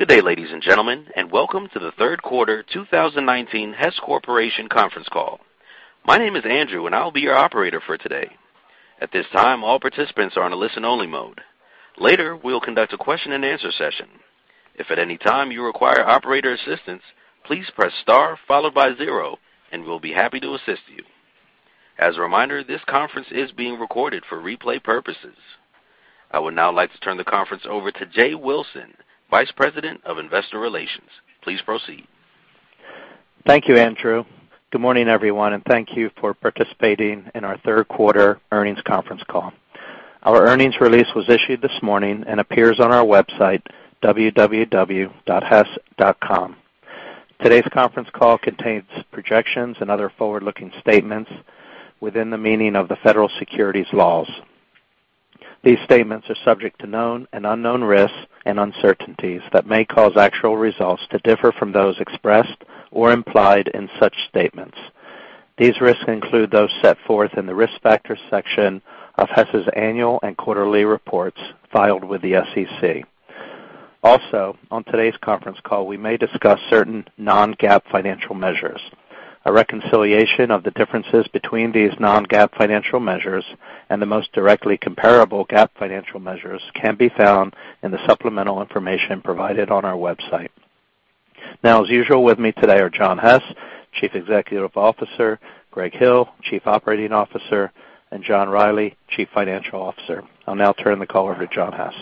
Good day, ladies and gentlemen, and welcome to the third quarter 2019 Hess Corporation conference call. My name is Andrew, and I'll be your operator for today. At this time, all participants are on a listen-only mode. Later, we'll conduct a question and answer session. If at any time you require operator assistance, please press star followed by zero, and we'll be happy to assist you. As a reminder, this conference is being recorded for replay purposes. I would now like to turn the conference over to Jay Wilson, Vice President of Investor Relations. Please proceed. Thank you, Andrew. Good morning, everyone, and thank you for participating in our third quarter earnings conference call. Our earnings release was issued this morning and appears on our website, www.hess.com. Today's conference call contains projections and other forward-looking statements within the meaning of the federal securities laws. These statements are subject to known and unknown risks and uncertainties that may cause actual results to differ from those expressed or implied in such statements. These risks include those set forth in the Risk Factors section of Hess' annual and quarterly reports filed with the SEC. On today's conference call, we may discuss certain non-GAAP financial measures. A reconciliation of the differences between these non-GAAP financial measures and the most directly comparable GAAP financial measures can be found in the supplemental information provided on our website. As usual, with me today are John Hess, Chief Executive Officer, Greg Hill, Chief Operating Officer, and John Rielly, Chief Financial Officer. I'll now turn the call over to John Hess.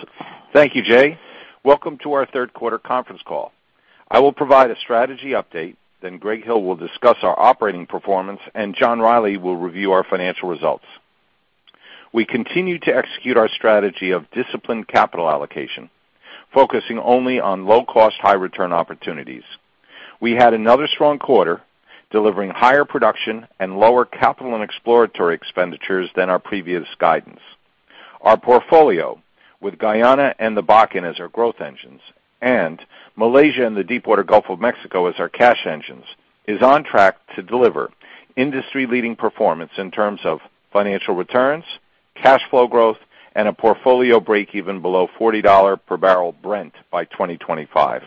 Thank you, Jay. Welcome to our third quarter conference call. I will provide a strategy update, then Greg Hill will discuss our operating performance, and John Rielly will review our financial results. We continue to execute our strategy of disciplined capital allocation, focusing only on low-cost, high-return opportunities. We had another strong quarter, delivering higher production and lower capital and exploratory expenditures than our previous guidance. Our portfolio, with Guyana and the Bakken as our growth engines, and Malaysia and the deepwater Gulf of Mexico as our cash engines, is on track to deliver industry-leading performance in terms of financial returns, cash flow growth, and a portfolio breakeven below $40 per barrel Brent by 2025.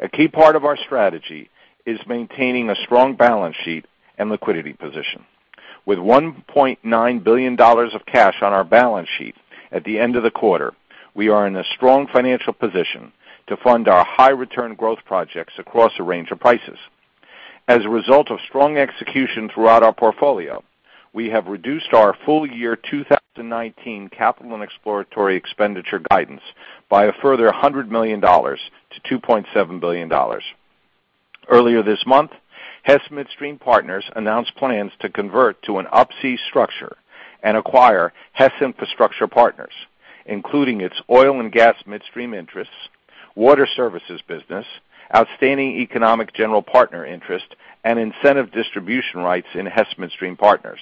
A key part of our strategy is maintaining a strong balance sheet and liquidity position. With $1.9 billion of cash on our balance sheet at the end of the quarter, we are in a strong financial position to fund our high-return growth projects across a range of prices. As a result of strong execution throughout our portfolio, we have reduced our full year 2019 capital and exploratory expenditure guidance by a further $100 million to $2.7 billion. Earlier this month, Hess Midstream Partners announced plans to convert to an Up-C structure and acquire Hess Infrastructure Partners, including its oil and gas midstream interests, water services business, outstanding economic general partner interest, and incentive distribution rights in Hess Midstream Partners.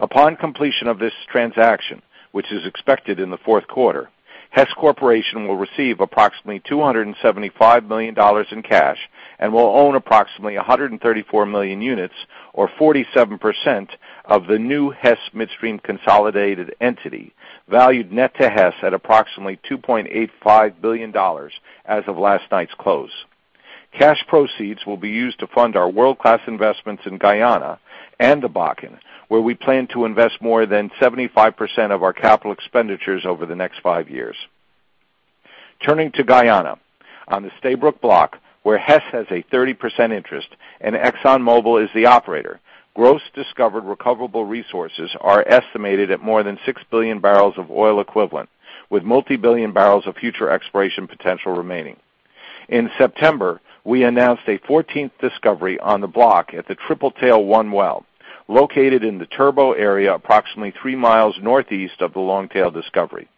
Upon completion of this transaction, which is expected in the fourth quarter, Hess Corporation will receive approximately $275 million in cash and will own approximately 134 million units, or 47%, of the new Hess Midstream consolidated entity, valued net to Hess at approximately $2.85 billion as of last night's close. Cash proceeds will be used to fund our world-class investments in Guyana and the Bakken, where we plan to invest more than 75% of our capital expenditures over the next five years. Turning to Guyana, on the Stabroek Block, where Hess has a 30% interest and ExxonMobil is the operator, gross discovered recoverable resources are estimated at more than six billion barrels of oil equivalent, with multi-billion barrels of future exploration potential remaining. In September, we announced a 14th discovery on the block at the Triple Tail-1 well, located in the Turbot area approximately three miles northeast of the Longtail discovery.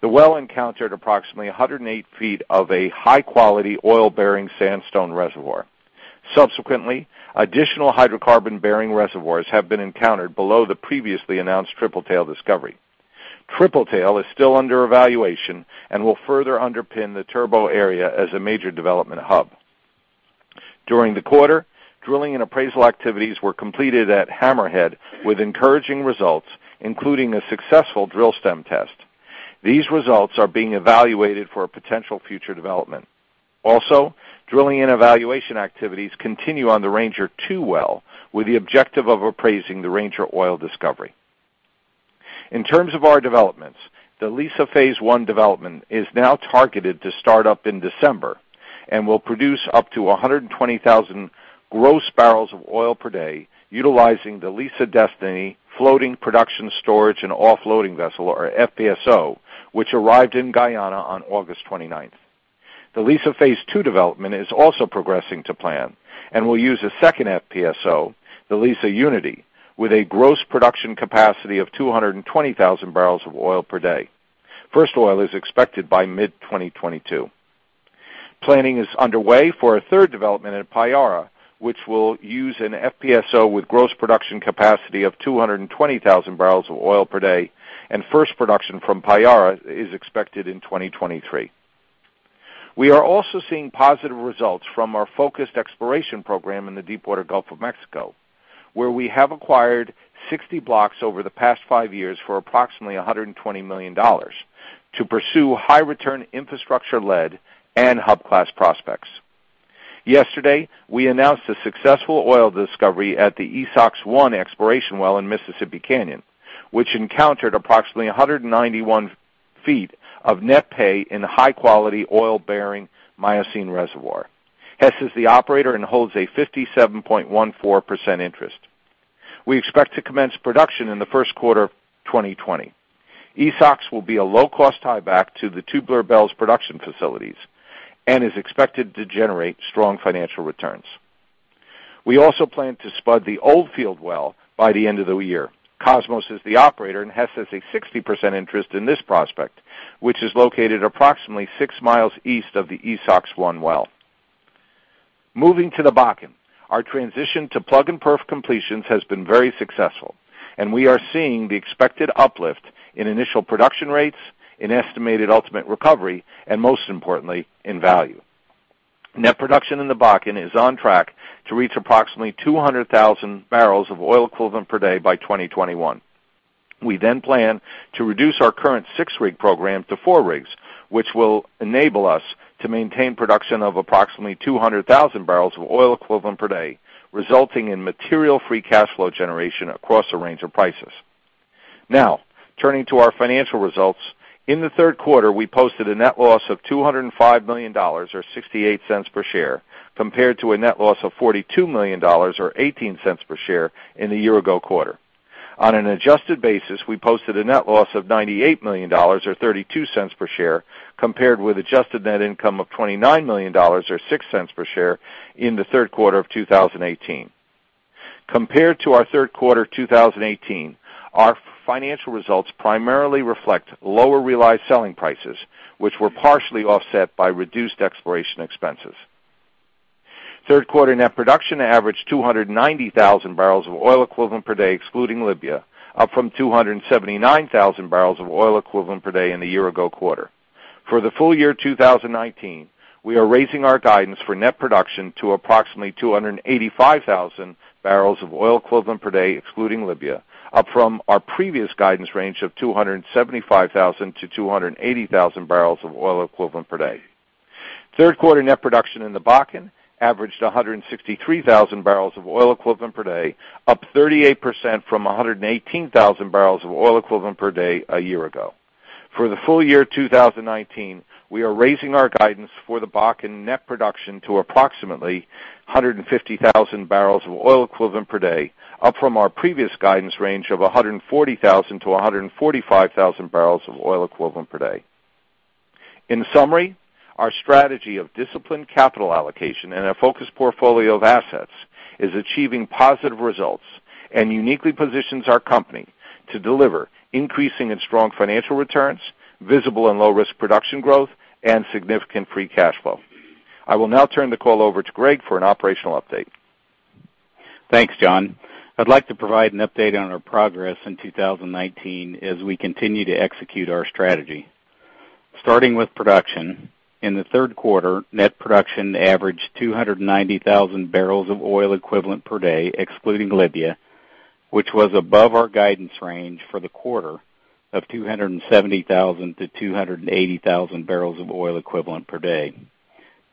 The well encountered approximately 108 feet of a high-quality oil-bearing sandstone reservoir. Subsequently, additional hydrocarbon-bearing reservoirs have been encountered below the previously announced Triple Tail discovery. Triple Tail is still under evaluation and will further underpin the Turbot area as a major development hub. During the quarter, drilling and appraisal activities were completed at Hammerhead with encouraging results, including a successful drill stem test. These results are being evaluated for a potential future development. Also, drilling and evaluation activities continue on the Ranger-2 well, with the objective of appraising the Ranger oil discovery. In terms of our developments, the Liza Phase 1 development is now targeted to start up in December and will produce up to 120,000 gross barrels of oil per day utilizing the Liza Destiny floating production storage and offloading vessel, or FPSO, which arrived in Guyana on August 29th. The Liza Phase 2 development is also progressing to plan and will use a second FPSO, the Liza Unity, with a gross production capacity of 220,000 barrels of oil per day. First oil is expected by mid-2022. Planning is underway for a third development at Payara, which will use an FPSO with gross production capacity of 220,000 barrels of oil per day, first production from Payara is expected in 2023. We are also seeing positive results from our focused exploration program in the Deepwater Gulf of Mexico, where we have acquired 60 blocks over the past five years for approximately $120 million to pursue high-return infrastructure-led and hub class prospects. Yesterday, we announced a successful oil discovery at the Esox-1 exploration well in Mississippi Canyon, which encountered approximately 191 feet of net pay in high-quality oil-bearing Miocene reservoir. Hess is the operator and holds a 57.14% interest. We expect to commence production in the first quarter 2020. Esox will be a low-cost tieback to the Tubular Bells' production facilities and is expected to generate strong financial returns. We also plan to spud the Oldfield well by the end of the year. Kosmos is the operator, and Hess has a 60% interest in this prospect, which is located approximately six miles east of the Esox-1 well. Moving to the Bakken, our transition to plug and perf completions has been very successful, and we are seeing the expected uplift in initial production rates, in estimated ultimate recovery, and most importantly, in value. Net production in the Bakken is on track to reach approximately 200,000 barrels of oil equivalent per day by 2021. We plan to reduce our current six-rig program to four rigs, which will enable us to maintain production of approximately 200,000 barrels of oil equivalent per day, resulting in material free cash flow generation across a range of prices. Turning to our financial results. In the third quarter, we posted a net loss of $205 million, or $0.68 per share, compared to a net loss of $42 million or $0.18 per share in the year-ago quarter. On an adjusted basis, we posted a net loss of $98 million or $0.32 per share, compared with adjusted net income of $29 million or $0.06 per share in the third quarter of 2018. Compared to our third quarter 2018, our financial results primarily reflect lower realized selling prices, which were partially offset by reduced exploration expenses. Third-quarter net production averaged 290,000 barrels of oil equivalent per day, excluding Libya, up from 279,000 barrels of oil equivalent per day in the year-ago quarter. For the full year 2019, we are raising our guidance for net production to approximately 285,000 barrels of oil equivalent per day, excluding Libya, up from our previous guidance range of 275,000 to 280,000 barrels of oil equivalent per day. Third quarter net production in the Bakken averaged 163,000 barrels of oil equivalent per day, up 38% from 118,000 barrels of oil equivalent per day a year ago. For the full year 2019, we are raising our guidance for the Bakken net production to approximately 150,000 barrels of oil equivalent per day, up from our previous guidance range of 140,000 to 145,000 barrels of oil equivalent per day. In summary, our strategy of disciplined capital allocation and our focused portfolio of assets is achieving positive results and uniquely positions our company to deliver increasing and strong financial returns, visible and low-risk production growth, and significant free cash flow. I will now turn the call over to Greg for an operational update. Thanks, John. I'd like to provide an update on our progress in 2019 as we continue to execute our strategy. Starting with production, in the third quarter, net production averaged 290,000 barrels of oil equivalent per day, excluding Libya, which was above our guidance range for the quarter of 270,000-280,000 barrels of oil equivalent per day.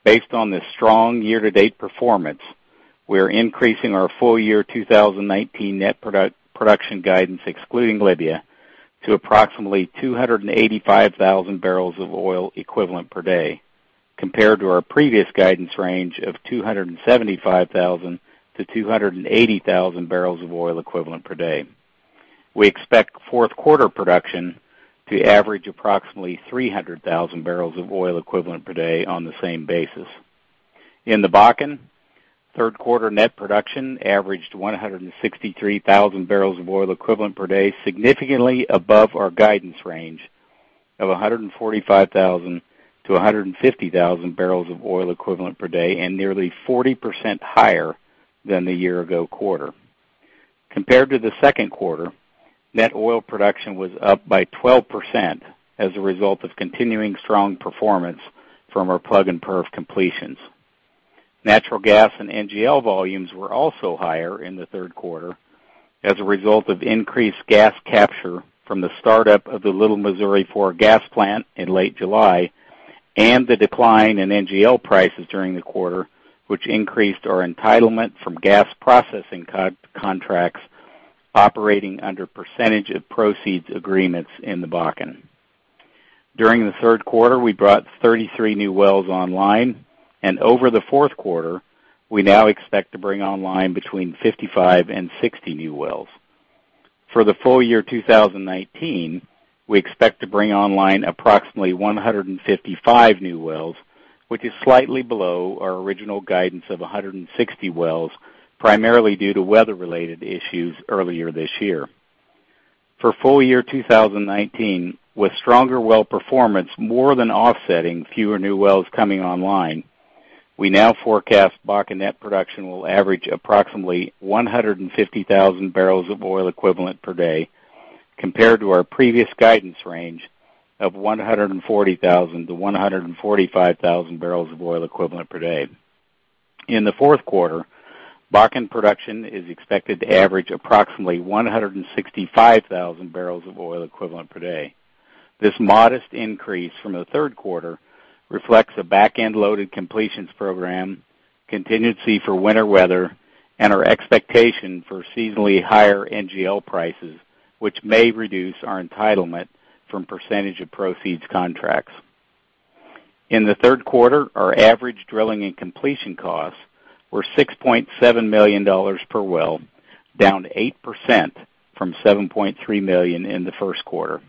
Based on this strong year-to-date performance, we are increasing our full year 2019 net production guidance, excluding Libya, to approximately 285,000 barrels of oil equivalent per day, compared to our previous guidance range of 275,000-280,000 barrels of oil equivalent per day. We expect fourth quarter production to average approximately 300,000 barrels of oil equivalent per day on the same basis. In the Bakken, third quarter net production averaged 163,000 barrels of oil equivalent per day, significantly above our guidance range of 145,000 barrels of oil equivalent per day-150,000 barrels of oil equivalent per day, and nearly 40% higher than the year-ago quarter. Compared to the second quarter, net oil production was up by 12% as a result of continuing strong performance from our plug and perf completions. Natural gas and NGL volumes were also higher in the third quarter as a result of increased gas capture from the start-up of the Little Missouri Four gas plant in late July, and the decline in NGL prices during the quarter, which increased our entitlement from gas processing contracts operating under percentage of proceeds agreements in the Bakken. During the third quarter, we brought 33 new wells online, and over the fourth quarter, we now expect to bring online between 55 and 60 new wells. For the full year 2019, we expect to bring online approximately 155 new wells, which is slightly below our original guidance of 160 wells, primarily due to weather-related issues earlier this year. For full year 2019, with stronger well performance more than offsetting fewer new wells coming online. We now forecast Bakken net production will average approximately 150,000 barrels of oil equivalent per day, compared to our previous guidance range of 140,000 barrels of oil equivalent per day-145,000 barrels of oil equivalent per day. In the fourth quarter, Bakken production is expected to average approximately 165,000 barrels of oil equivalent per day. This modest increase from the third quarter reflects a back-end loaded completions program, contingency for winter weather, and our expectation for seasonally higher NGL prices, which may reduce our entitlement from percentage of proceeds contracts. In the third quarter, our average drilling and completion costs were $6.7 million per well, down 8% from $7.3 million in the first quarter.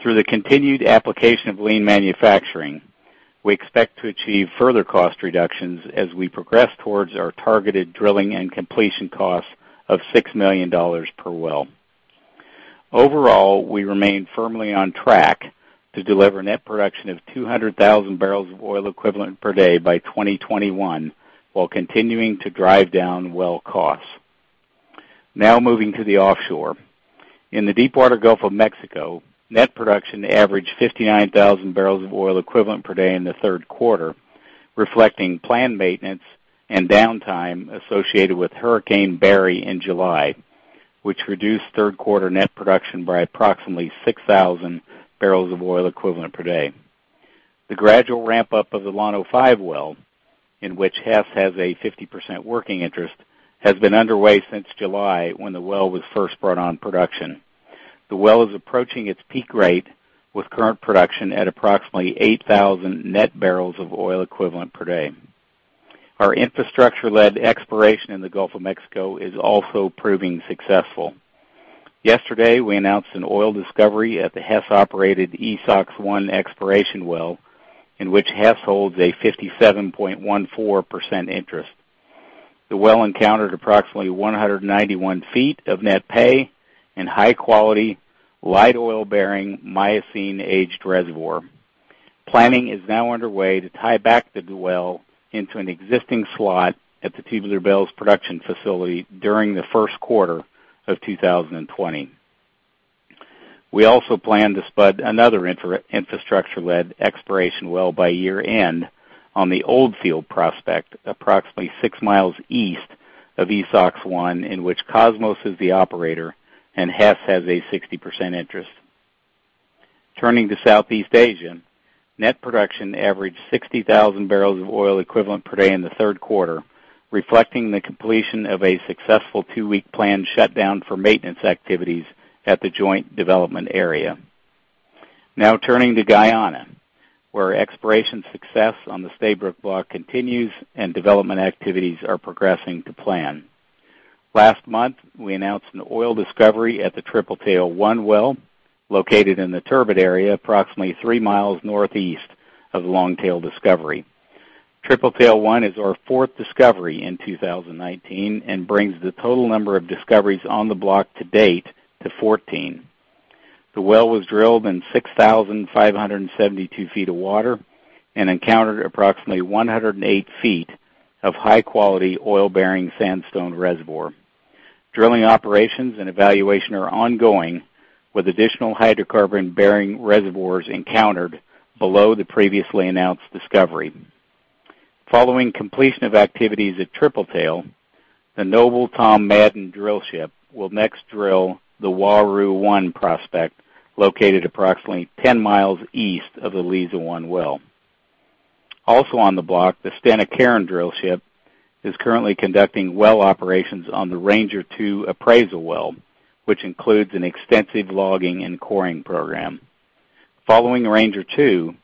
Through the continued application of lean manufacturing, we expect to achieve further cost reductions as we progress towards our targeted drilling and completion cost of $6 million per well. Overall, we remain firmly on track to deliver net production of 200,000 barrels of oil equivalent per day by 2021, while continuing to drive down well costs. Now moving to the offshore. In the deepwater Gulf of Mexico, net production averaged 59,000 barrels of oil equivalent per day in the third quarter, reflecting planned maintenance and downtime associated with Hurricane Barry in July, which reduced third quarter net production by approximately 6,000 barrels of oil equivalent per day. The gradual ramp-up of the Llano-5 well, in which Hess has a 50% working interest, has been underway since July when the well was first brought on production. The well is approaching its peak rate with current production at approximately 8,000 net barrels of oil equivalent per day. Our infrastructure-led exploration in the Gulf of Mexico is also proving successful. Yesterday, we announced an oil discovery at the Hess-operated Esox-1 exploration well, in which Hess holds a 57.14% interest. The well encountered approximately 191 feet of net pay and high quality light oil-bearing Miocene aged reservoir. Planning is now underway to tie back the well into an existing slot at the Tubular Bells production facility during the first quarter of 2020. We also plan to spud another infrastructure-led exploration well by year end on the Oldfield prospect approximately six miles east of Esox-1, in which Kosmos is the operator and Hess has a 60% interest. Turning to Southeast Asia, net production averaged 60,000 barrels of oil equivalent per day in the third quarter, reflecting the completion of a successful two-week plan shutdown for maintenance activities at the joint development area. Turning to Guyana, where exploration success on the Stabroek Block continues and development activities are progressing to plan. Last month, we announced an oil discovery at the Triple Tail-1 well, located in the turbid area approximately three miles northeast of the Longtail discovery. Triple Tail-1 is our fourth discovery in 2019 and brings the total number of discoveries on the block to date to 14. The well was drilled in 6,572 feet of water and encountered approximately 108 feet of high-quality oil-bearing sandstone reservoir. Drilling operations and evaluation are ongoing, with additional hydrocarbon-bearing reservoirs encountered below the previously announced discovery. Following completion of activities at Triple Tail, the Noble Tom Madden drillship will next drill the Saru-1 prospect, located approximately 10 miles east of the Liza-1 well. Also on the block, the Stena Carron drillship is currently conducting well operations on the Ranger-2 appraisal well, which includes an extensive logging and coring program. Following Ranger-2,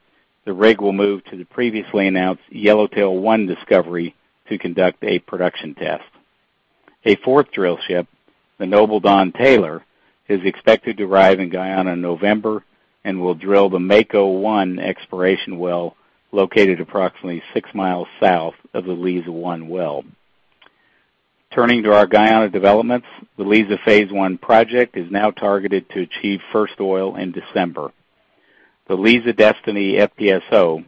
the rig will move to the previously announced Yellowtail-1 discovery to conduct a production test. A fourth drillship, the Noble Don Taylor, is expected to arrive in Guyana in November and will drill the Mako-1 exploration well, located approximately six miles south of the Liza-1 well. Turning to our Guyana developments, the Liza Phase 1 project is now targeted to achieve first oil in December. The Liza Destiny FPSO,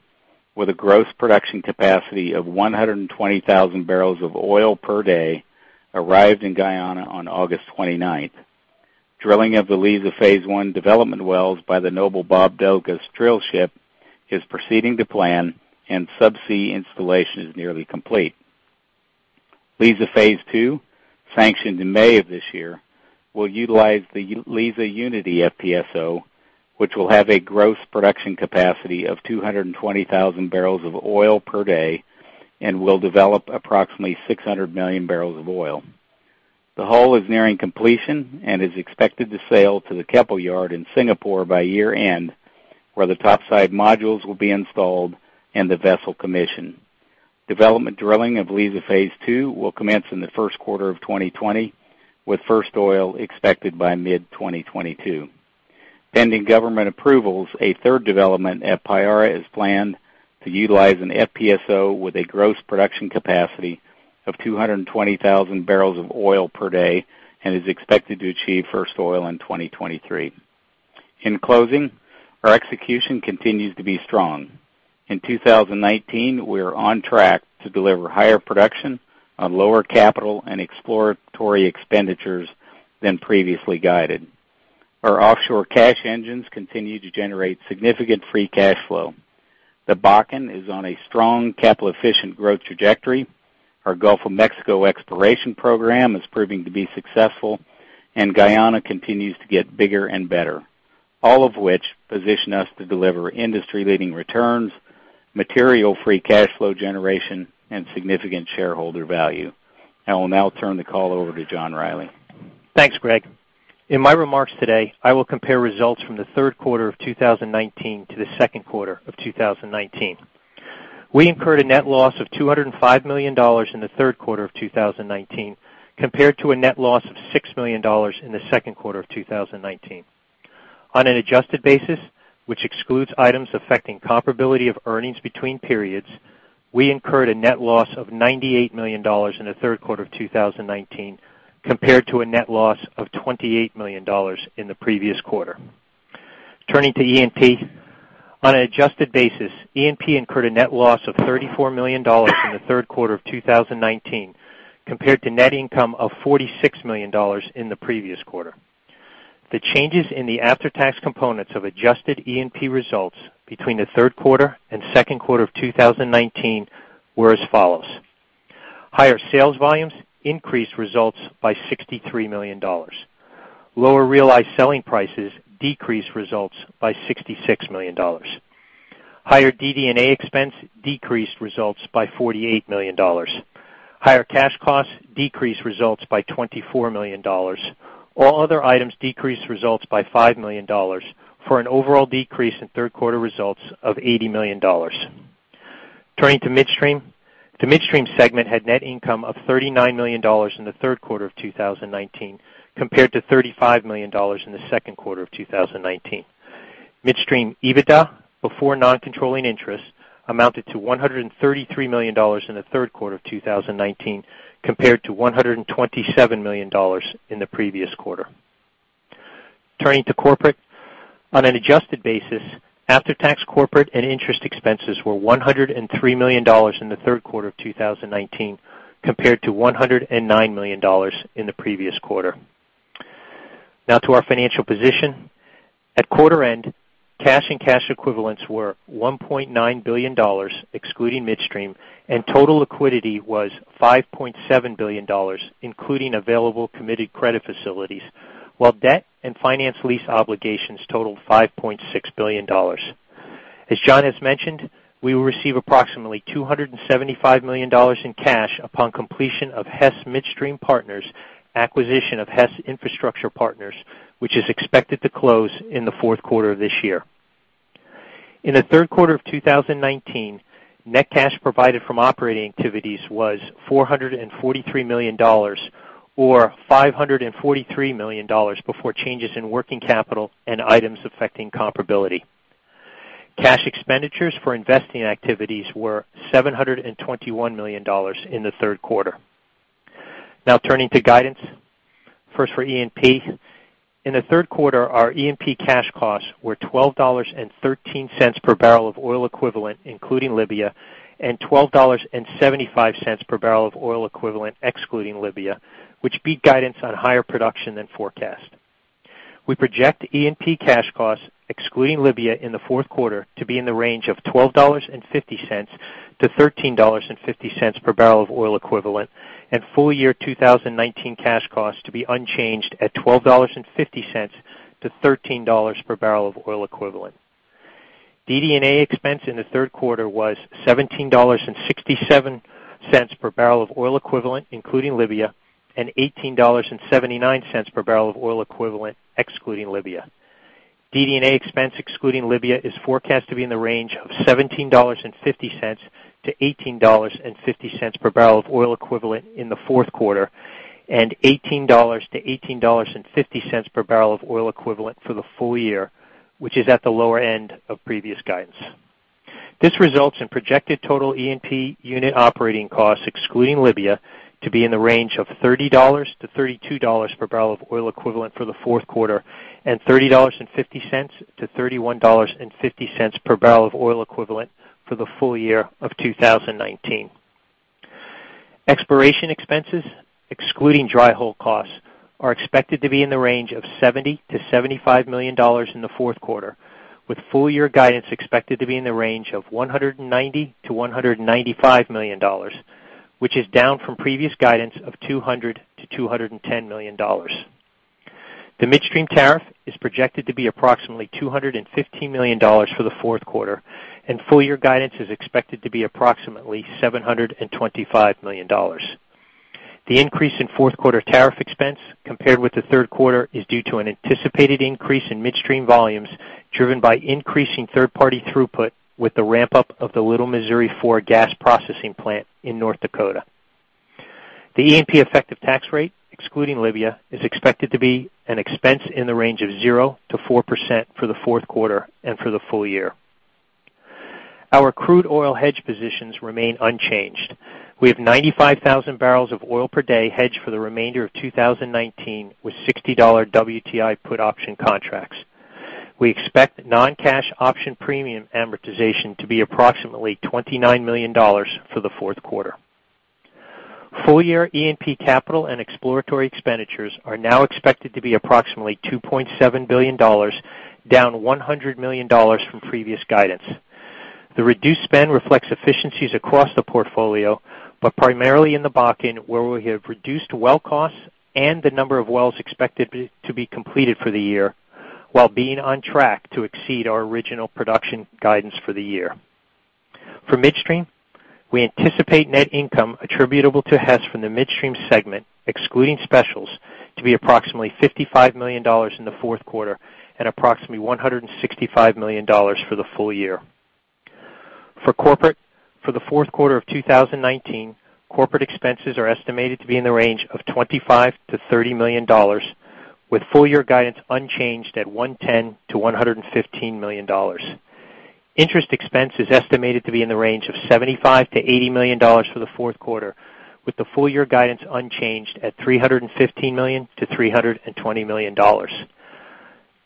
with a gross production capacity of 120,000 barrels of oil per day, arrived in Guyana on August 29th. Drilling of the Liza Phase 1 development wells by the Noble Bob Douglas drillship is proceeding to plan and subsea installation is nearly complete. Liza Phase 2, sanctioned in May of this year, will utilize the Liza Unity FPSO, which will have a gross production capacity of 220,000 barrels of oil per day and will develop approximately 600 million barrels of oil. The hull is nearing completion and is expected to sail to the Keppel yard in Singapore by year end, where the topside modules will be installed and the vessel commissioned. Development drilling of Liza Phase 2 will commence in the first quarter of 2020, with first oil expected by mid-2022. Pending government approvals, a third development at Payara is planned to utilize an FPSO with a gross production capacity of 220,000 barrels of oil per day and is expected to achieve first oil in 2023. In closing, our execution continues to be strong. In 2019, we are on track to deliver higher production on lower capital and exploratory expenditures than previously guided. Our offshore cash engines continue to generate significant free cash flow. The Bakken is on a strong capital efficient growth trajectory. Our Gulf of Mexico exploration program is proving to be successful, and Guyana continues to get bigger and better, all of which position us to deliver industry-leading returns, material free cash flow generation, and significant shareholder value. I will now turn the call over to John Rielly. Thanks, Greg. In my remarks today, I will compare results from the third quarter of 2019 to the second quarter of 2019. We incurred a net loss of $205 million in the third quarter of 2019, compared to a net loss of $6 million in the second quarter of 2019. On an adjusted basis, which excludes items affecting comparability of earnings between periods, we incurred a net loss of $98 million in the third quarter of 2019, compared to a net loss of $28 million in the previous quarter. Turning to E&P. On an adjusted basis, E&P incurred a net loss of $34 million in the third quarter of 2019, compared to net income of $46 million in the previous quarter. The changes in the after-tax components of adjusted E&P results between the third quarter and second quarter of 2019 were as follows. Higher sales volumes increased results by $63 million. Lower realized selling prices decreased results by $66 million. Higher DD&A expense decreased results by $48 million. Higher cash costs decreased results by $24 million. All other items decreased results by $5 million. For an overall decrease in third quarter results of $80 million. Turning to Midstream. The Midstream segment had net income of $39 million in the third quarter of 2019, compared to $35 million in the second quarter of 2019. Midstream EBITDA before non-controlling interest amounted to $133 million in the third quarter of 2019, compared to $127 million in the previous quarter. Turning to Corporate. On an adjusted basis, after-tax Corporate and interest expenses were $103 million in the third quarter of 2019, compared to $109 million in the previous quarter. Now to our financial position. At quarter end, cash and cash equivalents were $1.9 billion, excluding midstream, and total liquidity was $5.7 billion, including available committed credit facilities, while debt and finance lease obligations totaled $5.6 billion. As John has mentioned, we will receive approximately $275 million in cash upon completion of Hess Midstream Partners' acquisition of Hess Infrastructure Partners, which is expected to close in the fourth quarter of this year. In the third quarter of 2019, net cash provided from operating activities was $443 million, or $543 million before changes in working capital and items affecting comparability. Cash expenditures for investing activities were $721 million in the third quarter. Turning to guidance. First, for E&P. In the third quarter, our E&P cash costs were $12.13 per barrel of oil equivalent, including Libya, and $12.75 per barrel of oil equivalent excluding Libya, which beat guidance on higher production than forecast. We project E&P cash costs, excluding Libya, in the fourth quarter to be in the range of $12.50-$13.50 per barrel of oil equivalent, and full year 2019 cash costs to be unchanged at $12.50-$13 per barrel of oil equivalent. DD&A expense in the third quarter was $17.67 per barrel of oil equivalent, including Libya, and $18.79 per barrel of oil equivalent excluding Libya. DD&A expense excluding Libya is forecast to be in the range of $17.50-$18.50 per barrel of oil equivalent in the fourth quarter, and $18-$18.50 per barrel of oil equivalent for the full year, which is at the lower end of previous guidance. This results in projected total E&P unit operating costs, excluding Libya, to be in the range of $30-$32 per barrel of oil equivalent for the fourth quarter, and $30.50-$31.50 per barrel of oil equivalent for the full year of 2019. Exploration expenses, excluding dry hole costs, are expected to be in the range of $70 million-$75 million in the fourth quarter, with full year guidance expected to be in the range of $190 million-$195 million, which is down from previous guidance of $200 million-$210 million. The midstream tariff is projected to be approximately $215 million for the fourth quarter, and full year guidance is expected to be approximately $725 million. The increase in fourth quarter tariff expense compared with the third quarter is due to an anticipated increase in midstream volumes driven by increasing third-party throughput with the ramp-up of the Little Missouri Four gas processing plant in North Dakota. The E&P effective tax rate, excluding Libya, is expected to be an expense in the range of 0%-4% for the fourth quarter and for the full year. Our crude oil hedge positions remain unchanged. We have 95,000 barrels of oil per day hedged for the remainder of 2019, with $60 WTI put option contracts. We expect non-cash option premium amortization to be approximately $29 million for the fourth quarter. Full year E&P capital and exploratory expenditures are now expected to be approximately $2.7 billion, down $100 million from previous guidance. The reduced spend reflects efficiencies across the portfolio, but primarily in the Bakken, where we have reduced well costs and the number of wells expected to be completed for the year, while being on track to exceed our original production guidance for the year. For midstream, we anticipate net income attributable to Hess from the midstream segment, excluding specials, to be approximately $55 million in the fourth quarter and approximately $165 million for the full year. For corporate, for the fourth quarter of 2019, corporate expenses are estimated to be in the range of $25 million-$30 million, with full year guidance unchanged at $110 million-$115 million. Interest expense is estimated to be in the range of $75 million-$80 million for the fourth quarter, with the full year guidance unchanged at $315 million-$320 million.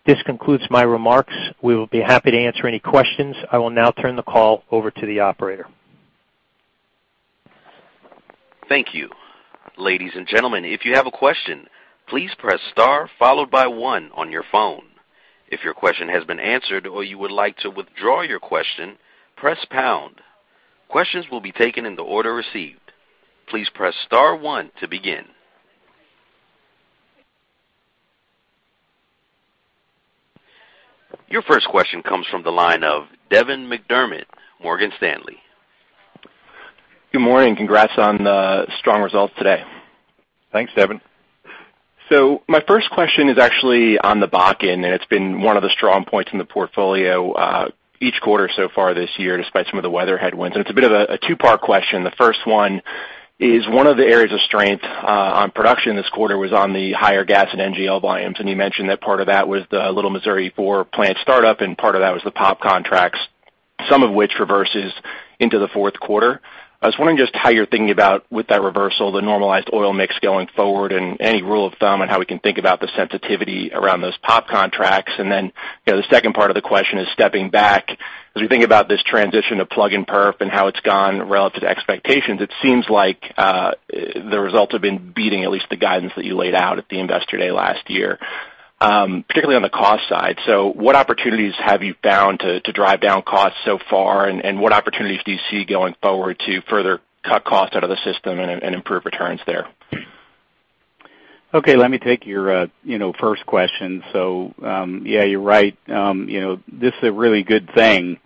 This concludes my remarks. We will be happy to answer any questions. I will now turn the call over to the operator. Thank you. Ladies and gentlemen, if you have a question, please press star followed by one on your phone. If your question has been answered or you would like to withdraw your question, press pound. Questions will be taken in the order received. Please press star one to begin. Your first question comes from the line of Devin McDermott, Morgan Stanley. Good morning. Congrats on the strong results today. Thanks, Devin. My first question is actually on the Bakken, and it's been one of the strong points in the portfolio each quarter so far this year, despite some of the weather headwinds. It's a bit of a two-part question. The first one is, one of the areas of strength on production this quarter was on the higher gas and NGL volumes, and you mentioned that part of that was the Little Missouri Four plant startup, and part of that was the POP contracts, some of which reverses into the fourth quarter. I was wondering just how you're thinking about, with that reversal, the normalized oil mix going forward and any rule of thumb on how we can think about the sensitivity around those POP contracts. The second part of the question is stepping back. As we think about this transition to plug and perf and how it's gone relative to expectations, it seems like the results have been beating at least the guidance that you laid out at the Investor Day last year, particularly on the cost side. What opportunities have you found to drive down costs so far? What opportunities do you see going forward to further cut costs out of the system and improve returns there? Okay, let me take your first question. Yeah, you're right. This is a really good thing,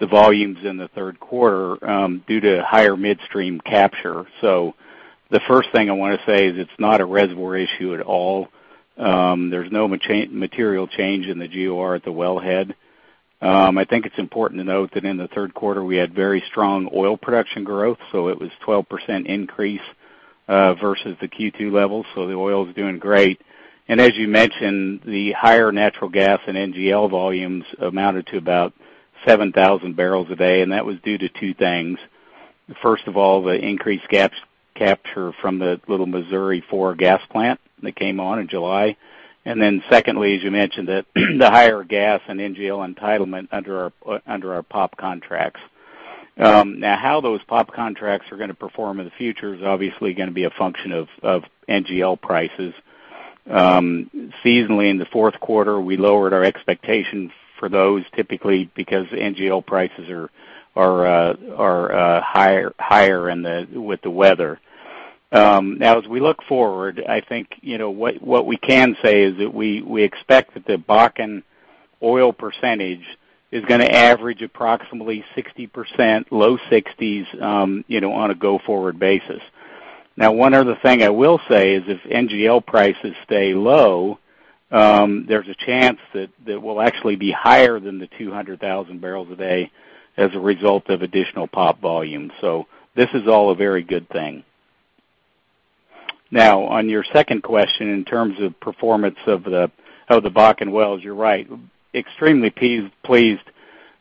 the volumes in the third quarter due to higher midstream capture. The first thing I want to say is it's not a reservoir issue at all. There's no material change in the GOR at the wellhead. I think it's important to note that in the third quarter, we had very strong oil production growth, so it was 12% increase versus the Q2 levels, so the oil's doing great. As you mentioned, the higher natural gas and NGL volumes amounted to about 7,000 barrels a day, and that was due to two things. First of all, the increased gas capture from the Little Missouri Four gas plant that came on in July. Then secondly, as you mentioned, the higher gas and NGL entitlement under our POP contracts. How those POP contracts are going to perform in the future is obviously going to be a function of NGL prices. Seasonally in the fourth quarter, we lowered our expectations for those, typically because NGL prices are higher with the weather. As we look forward, I think what we can say is that we expect that the Bakken oil percentage is going to average approximately 60%, low 60s, on a go-forward basis. One other thing I will say is if NGL prices stay low, there's a chance that we'll actually be higher than the 200,000 barrels a day as a result of additional POP volume. This is all a very good thing. On your second question, in terms of performance of the Bakken wells, you're right. Extremely pleased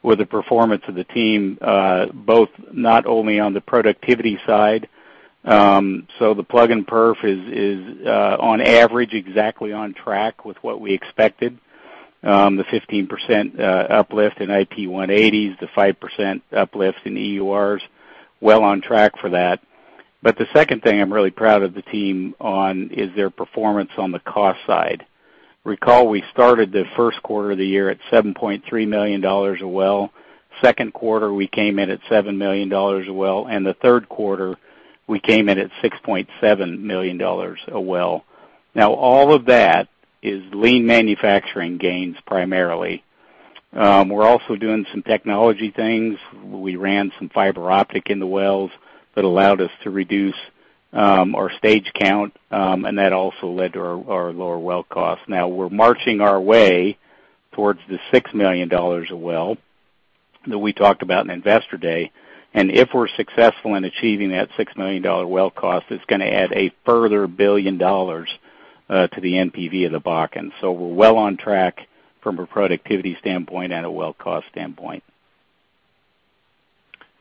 with the performance of the team both not only on the productivity side. The plug and perf is on average exactly on track with what we expected. The 15% uplift in IP 180s, the 5% uplift in EURs, well on track for that. The second thing I'm really proud of the team on is their performance on the cost side. Recall, we started the first quarter of the year at $7.3 million a well, second quarter we came in at $7 million a well, and the third quarter we came in at $6.7 million a well. All of that is lean manufacturing gains primarily. We're also doing some technology things. We ran some fiber optic in the wells that allowed us to reduce our stage count, and that also led to our lower well cost. Now we're marching our way towards the $6 million a well that we talked about in Investor Day, and if we're successful in achieving that $6 million well cost, it's going to add a further $1 billion. To the NPV of the Bakken. We're well on track from a productivity standpoint and a well cost standpoint.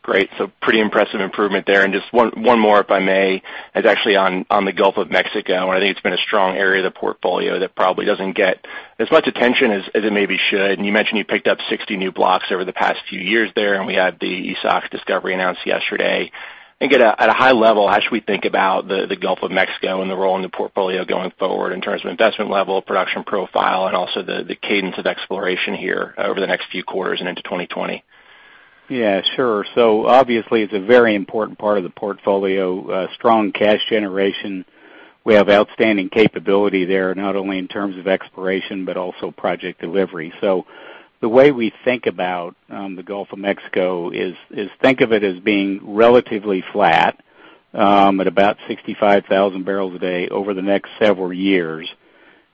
Great. Pretty impressive improvement there. Just one more, if I may. It's actually on the Gulf of Mexico, and I think it's been a strong area of the portfolio that probably doesn't get as much attention as it maybe should. You mentioned you picked up 60 new blocks over the past few years there, and we had the Esox discovery announced yesterday. I think at a high level, how should we think about the Gulf of Mexico and the role in the portfolio going forward in terms of investment level, production profile, and also the cadence of exploration here over the next few quarters and into 2020? Yeah, sure. Obviously, it's a very important part of the portfolio. Strong cash generation. We have outstanding capability there, not only in terms of exploration, but also project delivery. The way we think about the Gulf of Mexico is, think of it as being relatively flat at about 65,000 barrels a day over the next several years.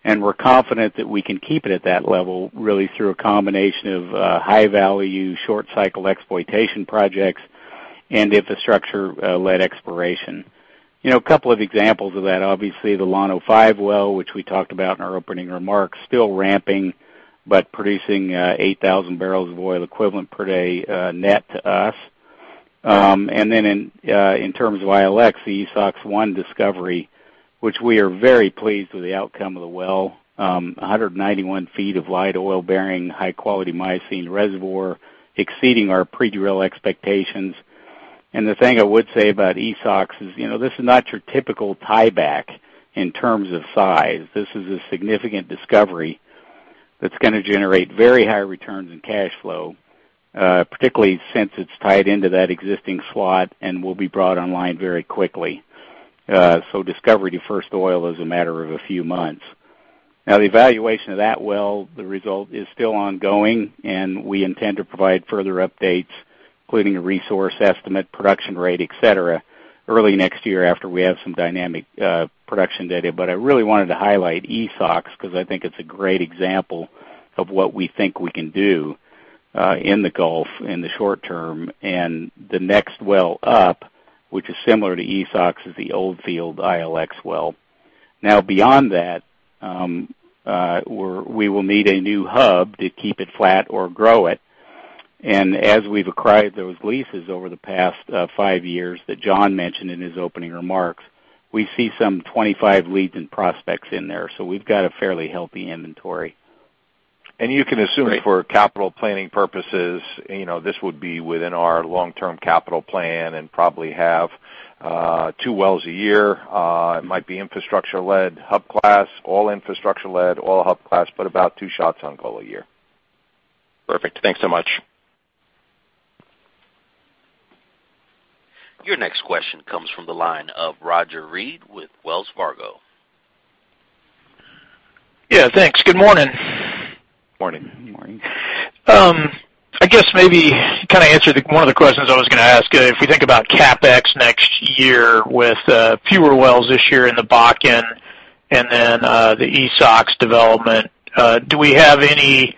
We're confident that we can keep it at that level, really through a combination of high-value, short-cycle exploitation projects and infrastructure-led exploration. A couple of examples of that. Obviously, the Llano-5 well, which we talked about in our opening remarks, still ramping, but producing 8,000 barrels of oil equivalent per day net to us. Then in terms of ILX, the Esox-1 discovery, which we are very pleased with the outcome of the well. 191 feet of light oil-bearing, high-quality Miocene reservoir exceeding our pre-drill expectations. The thing I would say about Esox is, this is not your typical tieback in terms of size. This is a significant discovery that's going to generate very high returns in cash flow, particularly since it's tied into that existing slot and will be brought online very quickly. Discovery to first oil is a matter of a few months. The evaluation of that well, the result is still ongoing, and we intend to provide further updates, including a resource estimate, production rate, et cetera, early next year after we have some dynamic production data. I really wanted to highlight Esox because I think it's a great example of what we think we can do in the Gulf in the short term, and the next well up, which is similar to Esox, is the Oldfield ILX well. Now, beyond that, we will need a new hub to keep it flat or grow it. As we've acquired those leases over the past five years that John mentioned in his opening remarks, we see some 25 leads and prospects in there. We've got a fairly healthy inventory. You can assume for capital planning purposes, this would be within our long-term capital plan and probably have two wells a year. It might be infrastructure-led, hub class, all infrastructure-led, all hub class, but about two shots on goal a year. Perfect. Thanks so much. Your next question comes from the line of Roger Read with Wells Fargo. Yeah, thanks. Good morning. Morning. Morning. I guess maybe you answered one of the questions I was going to ask. If we think about CapEx next year with fewer wells this year in the Bakken and then the Esox development, do we have any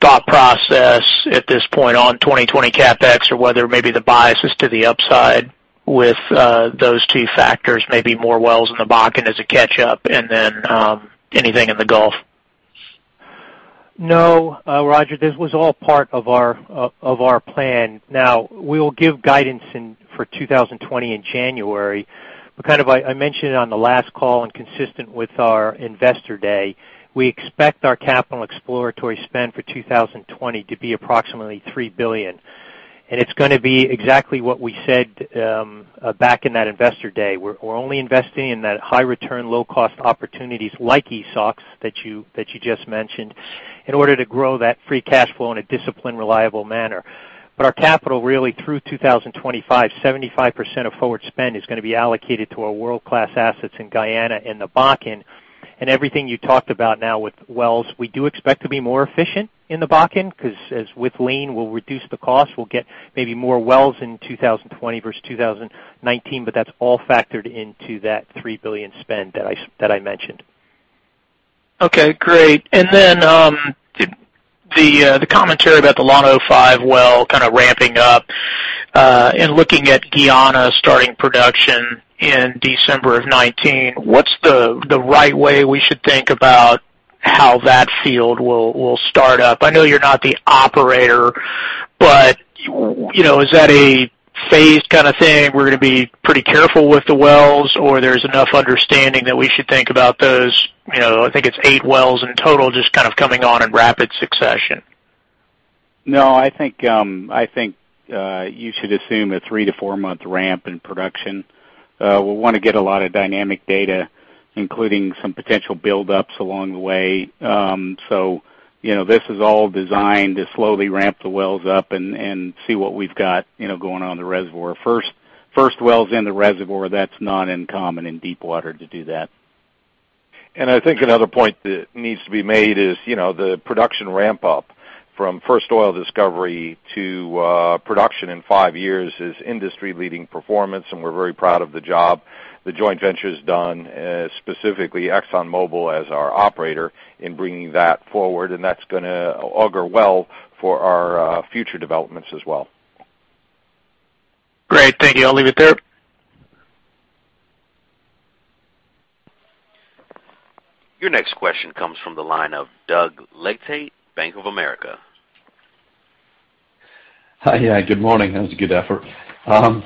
thought process at this point on 2020 CapEx or whether maybe the bias is to the upside with those two factors, maybe more wells in the Bakken as a catch-up, and then anything in the Gulf? No, Roger, this was all part of our plan. We will give guidance for 2020 in January. I mentioned it on the last call and consistent with our Investor Day, we expect our capital exploratory spend for 2020 to be approximately $3 billion. It's going to be exactly what we said back in that Investor Day. We're only investing in that high return, low-cost opportunities like Esox that you just mentioned, in order to grow that free cash flow in a disciplined, reliable manner. Our capital really through 2025, 75% of forward spend is going to be allocated to our world-class assets in Guyana and the Bakken, and everything you talked about now with wells. We do expect to be more efficient in the Bakken because as with lean, we'll reduce the cost. We'll get maybe more wells in 2020 versus 2019, but that's all factored into that $3 billion spend that I mentioned. Okay, great. The commentary about the Llano-5 well ramping up, and looking at Guyana starting production in December of 2019, what's the right way we should think about how that field will start up? I know you're not the operator, but is that a phased kind of thing? We're going to be pretty careful with the wells, or there's enough understanding that we should think about those, I think it's eight wells in total, just coming on in rapid succession? No, I think you should assume a three to four-month ramp in production. We'll want to get a lot of dynamic data, including some potential buildups along the way. This is all designed to slowly ramp the wells up and see what we've got going on in the reservoir. First wells in the reservoir, that's not uncommon in deep water to do that. I think another point that needs to be made is the production ramp-up from first oil discovery to production in five years is industry-leading performance, and we're very proud of the job the joint venture's done, specifically ExxonMobil as our operator, in bringing that forward, and that's going to augur well for our future developments as well. Great. Thank you. I'll leave it there. Your next question comes from the line of Doug Leggate, Bank of America. Hi. Yeah, good morning. That was a good effort.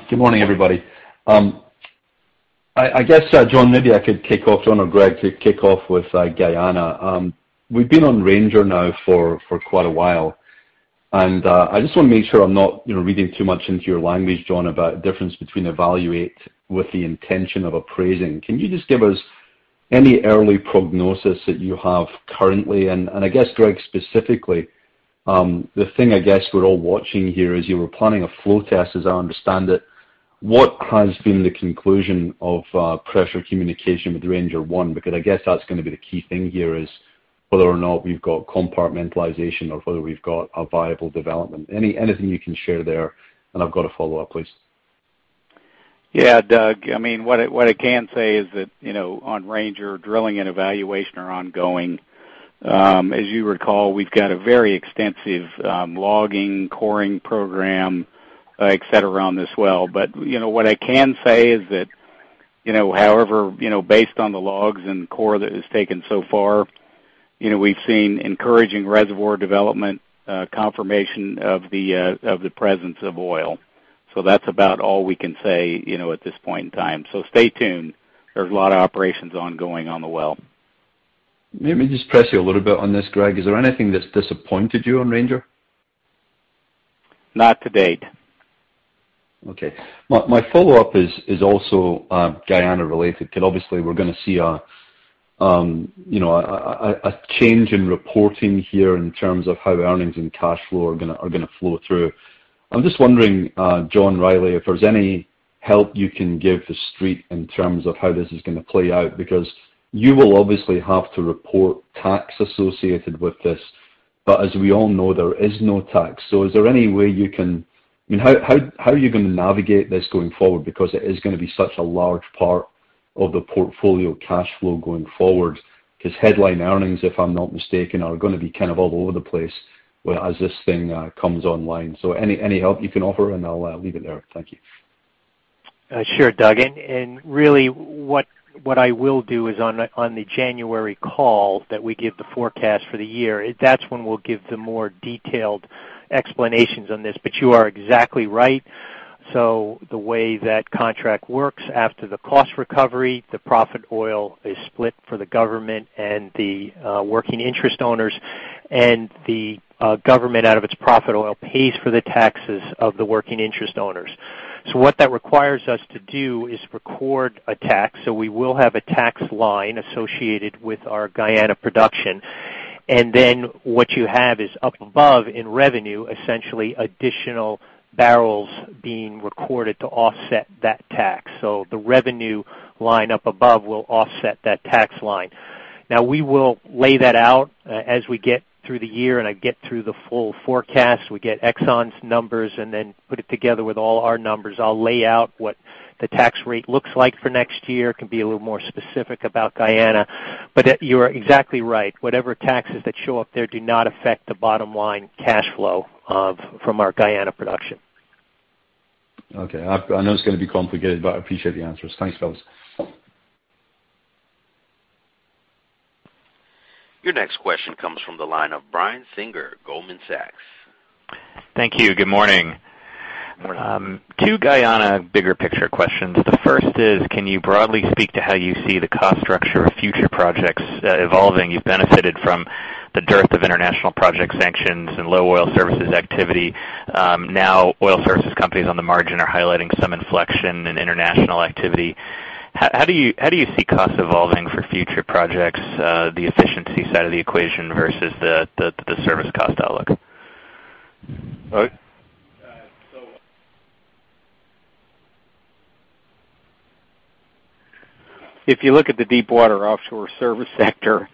Good morning, everybody. I guess, John, maybe I could kick off, John or Greg, to kick off with Guyana. I just want to make sure I'm not reading too much into your language, John, about the difference between evaluate with the intention of appraising. Can you just give us any early prognosis that you have currently? I guess, Greg, specifically, the thing I guess we're all watching here is you were planning a flow test, as I understand it. What has been the conclusion of pressure communication with Ranger 1? I guess that's going to be the key thing here is whether or not we've got compartmentalization or whether we've got a viable development. Anything you can share there. I've got a follow-up, please. Yeah, Doug. What I can say is that on Ranger, drilling and evaluation are ongoing. As you recall, we've got a very extensive logging, coring program, et cetera, on this well. What I can say is that based on the logs and core that is taken so far, we've seen encouraging reservoir development, confirmation of the presence of oil. That's about all we can say at this point in time. Stay tuned. There's a lot of operations ongoing on the well. Let me just press you a little bit on this, Greg. Is there anything that's disappointed you on Ranger? Not to date. Okay. My follow-up is also Guyana related. Obviously, we're going to see a change in reporting here in terms of how earnings and cash flow are going to flow through. I'm just wondering, John Rielly, if there's any help you can give the Street in terms of how this is going to play out, because you will obviously have to report tax associated with this. As we all know, there is no tax. How are you going to navigate this going forward? It is going to be such a large part of the portfolio cash flow going forward, because headline earnings, if I'm not mistaken, are going to be all over the place as this thing comes online. Any help you can offer, and I'll leave it there. Thank you. Sure, Doug. Really what I will do is on the January call that we give the forecast for the year, that's when we'll give the more detailed explanations on this. You are exactly right. The way that contract works, after the cost recovery, the profit oil is split for the government and the working interest owners, and the government, out of its profit oil, pays for the taxes of the working interest owners. What that requires us to do is record a tax, so we will have a tax line associated with our Guyana production. What you have is up above in revenue, essentially additional barrels being recorded to offset that tax. The revenue line up above will offset that tax line. Now, we will lay that out as we get through the year, and I get through the full forecast. We get Exxon's numbers and then put it together with all our numbers. I'll lay out what the tax rate looks like for next year. Can be a little more specific about Guyana. You are exactly right. Whatever taxes that show up there do not affect the bottom-line cash flow from our Guyana production. Okay. I know it's going to be complicated, but I appreciate the answers. Thanks, fellas. Your next question comes from the line of Brian Singer, Goldman Sachs. Thank you. Good morning. Good morning. 2 Guyana bigger picture questions. The first is, can you broadly speak to how you see the cost structure of future projects evolving? You've benefited from the dearth of international project sanctions and low oil services activity. Oil services companies on the margin are highlighting some inflection in international activity. How do you see costs evolving for future projects, the efficiency side of the equation versus the service cost outlook? If you look at the deepwater offshore service sector,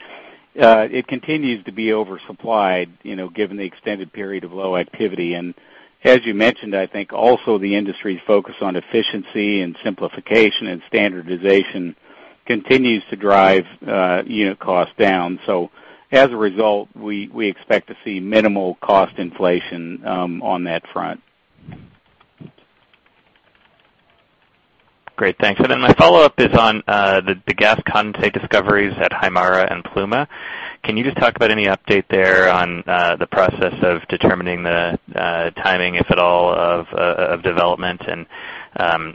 it continues to be oversupplied given the extended period of low activity. As you mentioned, I think also the industry's focus on efficiency and simplification and standardization continues to drive unit cost down. As a result, we expect to see minimal cost inflation on that front. Great. Thanks. My follow-up is on the gas condensate discoveries at Haimara and Pluma. Can you just talk about any update there on the process of determining the timing, if at all, of development, and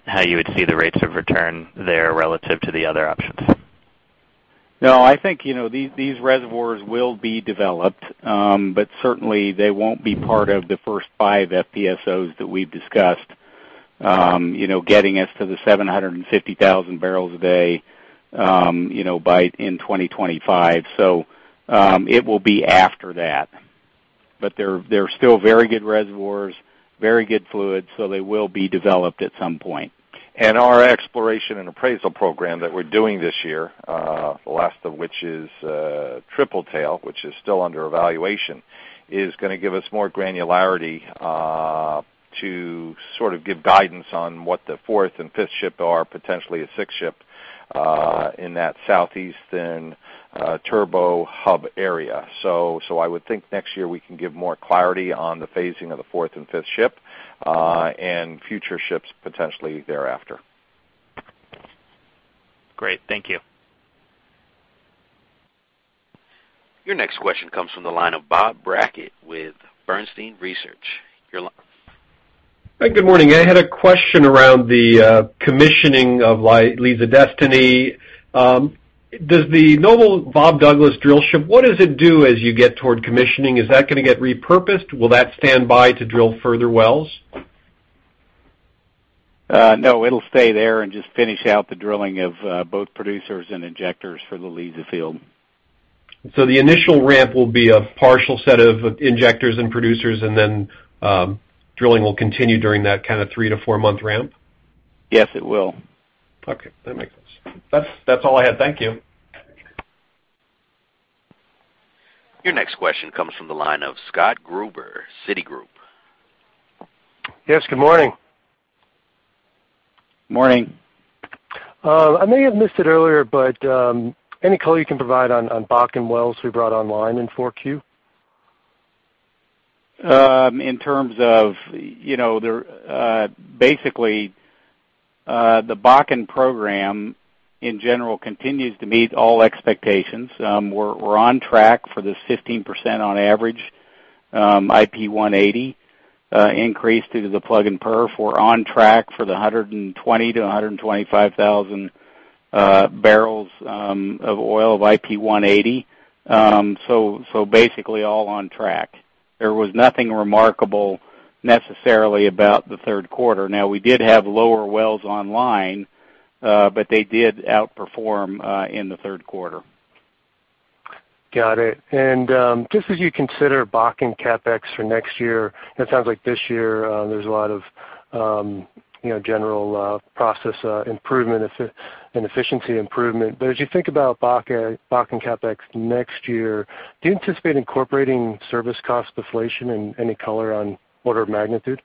how you would see the rates of return there relative to the other options? No, I think these reservoirs will be developed. Certainly they won't be part of the first five FPSOs that we've discussed getting us to the 750,000 barrels a day in 2025. It will be after that. They're still very good reservoirs, very good fluids, so they will be developed at some point. Our exploration and appraisal program that we're doing this year, the last of which is Triple Tail, which is still under evaluation, is going to give us more granularity to sort of give guidance on what the fourth and fifth ship are, potentially a sixth ship. In that southeastern turbo hub area. I would think next year we can give more clarity on the phasing of the fourth and fifth ship, and future ships potentially thereafter. Great. Thank you. Your next question comes from the line of Bob Brackett with Bernstein Research. Your line. Good morning. I had a question around the commissioning of Liza Destiny. Does the Noble Bob Douglas drill ship, what does it do as you get toward commissioning? Is that going to get repurposed? Will that stand by to drill further wells? No, it'll stay there and just finish out the drilling of both producers and injectors for the Liza field. The initial ramp will be a partial set of injectors and producers, and then drilling will continue during that three to four-month ramp? Yes, it will. Okay. That makes sense. That's all I had. Thank you. Your next question comes from the line of Scott Gruber, Citigroup. Yes, good morning. Morning. I may have missed it earlier, any color you can provide on Bakken wells we brought online in 4Q? Basically, the Bakken program in general continues to meet all expectations. We're on track for this 15% on average IP180 increase due to the plug and perf. We're on track for the 120,000-125,000 barrels of oil of IP180. Basically all on track. There was nothing remarkable necessarily about the third quarter. We did have lower wells online, they did outperform in the third quarter. Got it. Just as you consider Bakken CapEx for next year, it sounds like this year there's a lot of general process improvement and efficiency improvement. As you think about Bakken CapEx next year, do you anticipate incorporating service cost deflation and any color on order of magnitude?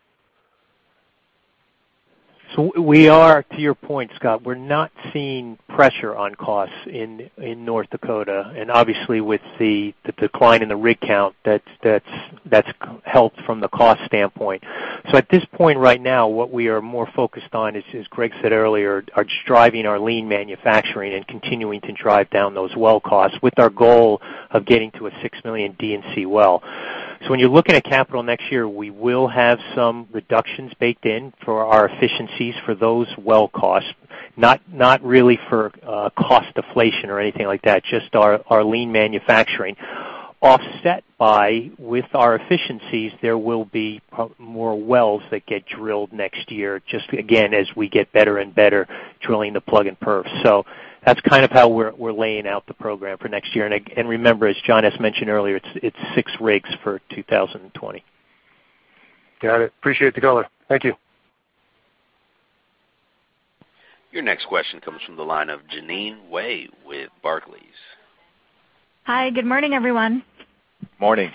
We are, to your point, Scott, we're not seeing pressure on costs in North Dakota, and obviously with the decline in the rig count, that's helped from the cost standpoint. At this point right now, what we are more focused on is, as Greg said earlier, are just driving our lean manufacturing and continuing to drive down those well costs with our goal of getting to a $6 million D&C well. When you're looking at capital next year, we will have some reductions baked in for our efficiencies for those well costs, not really for cost deflation or anything like that, just our lean manufacturing. Offset by, with our efficiencies, there will be more wells that get drilled next year, just again, as we get better and better drilling the plug and perf. That's how we're laying out the program for next year. Remember, as John has mentioned earlier, it's six rigs for 2020. Got it. Appreciate the color. Thank you. Your next question comes from the line of Jeanine Wai with Barclays. Hi, good morning, everyone. Morning.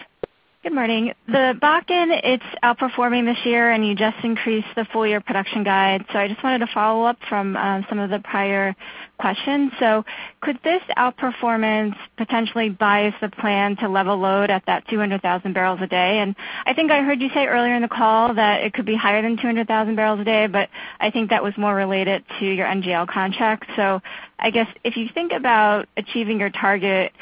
Good morning. The Bakken, it's outperforming this year, and you just increased the full year production guide. I just wanted to follow up from some of the prior questions. Could this outperformance potentially bias the plan to level load at that 200,000 barrels a day? I think I heard you say earlier in the call that it could be higher than 200,000 barrels a day, but I think that was more related to your NGL contract. I guess if you think about achieving your target,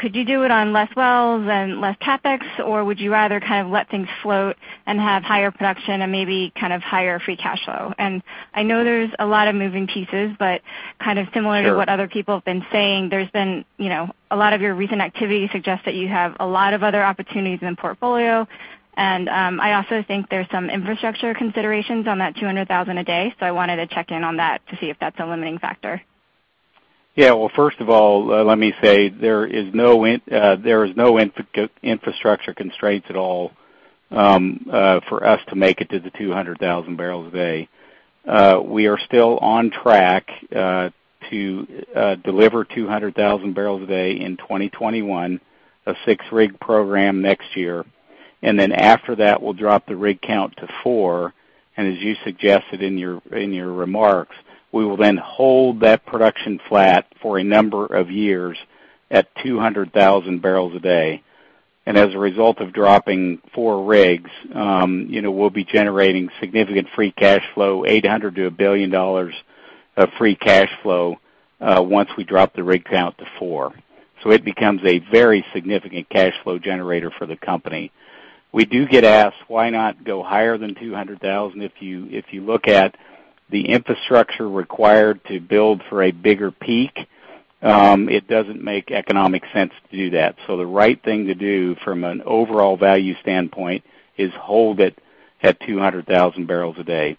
could you do it on less wells and less CapEx, or would you rather let things float and have higher production and maybe higher free cash flow? I know there's a lot of moving pieces, but kind of similar to what other people have been saying, there's been a lot of your recent activity suggests that you have a lot of other opportunities in the portfolio. I also think there's some infrastructure considerations on that 200,000 a day. I wanted to check in on that to see if that's a limiting factor. First of all, let me say there is no infrastructure constraints at all for us to make it to the 200,000 barrels a day. We are still on track to deliver 200,000 barrels a day in 2021, a six-rig program next year. After that, we'll drop the rig count to four. As you suggested in your remarks, we will then hold that production flat for a number of years at 200,000 barrels a day. As a result of dropping four rigs, we'll be generating significant free cash flow, $800 to $1 billion of free cash flow once we drop the rig count to four. It becomes a very significant cash flow generator for the company. We do get asked, why not go higher than 200,000? If you look at the infrastructure required to build for a bigger peak, it doesn't make economic sense to do that. The right thing to do from an overall value standpoint is hold it at 200,000 barrels a day.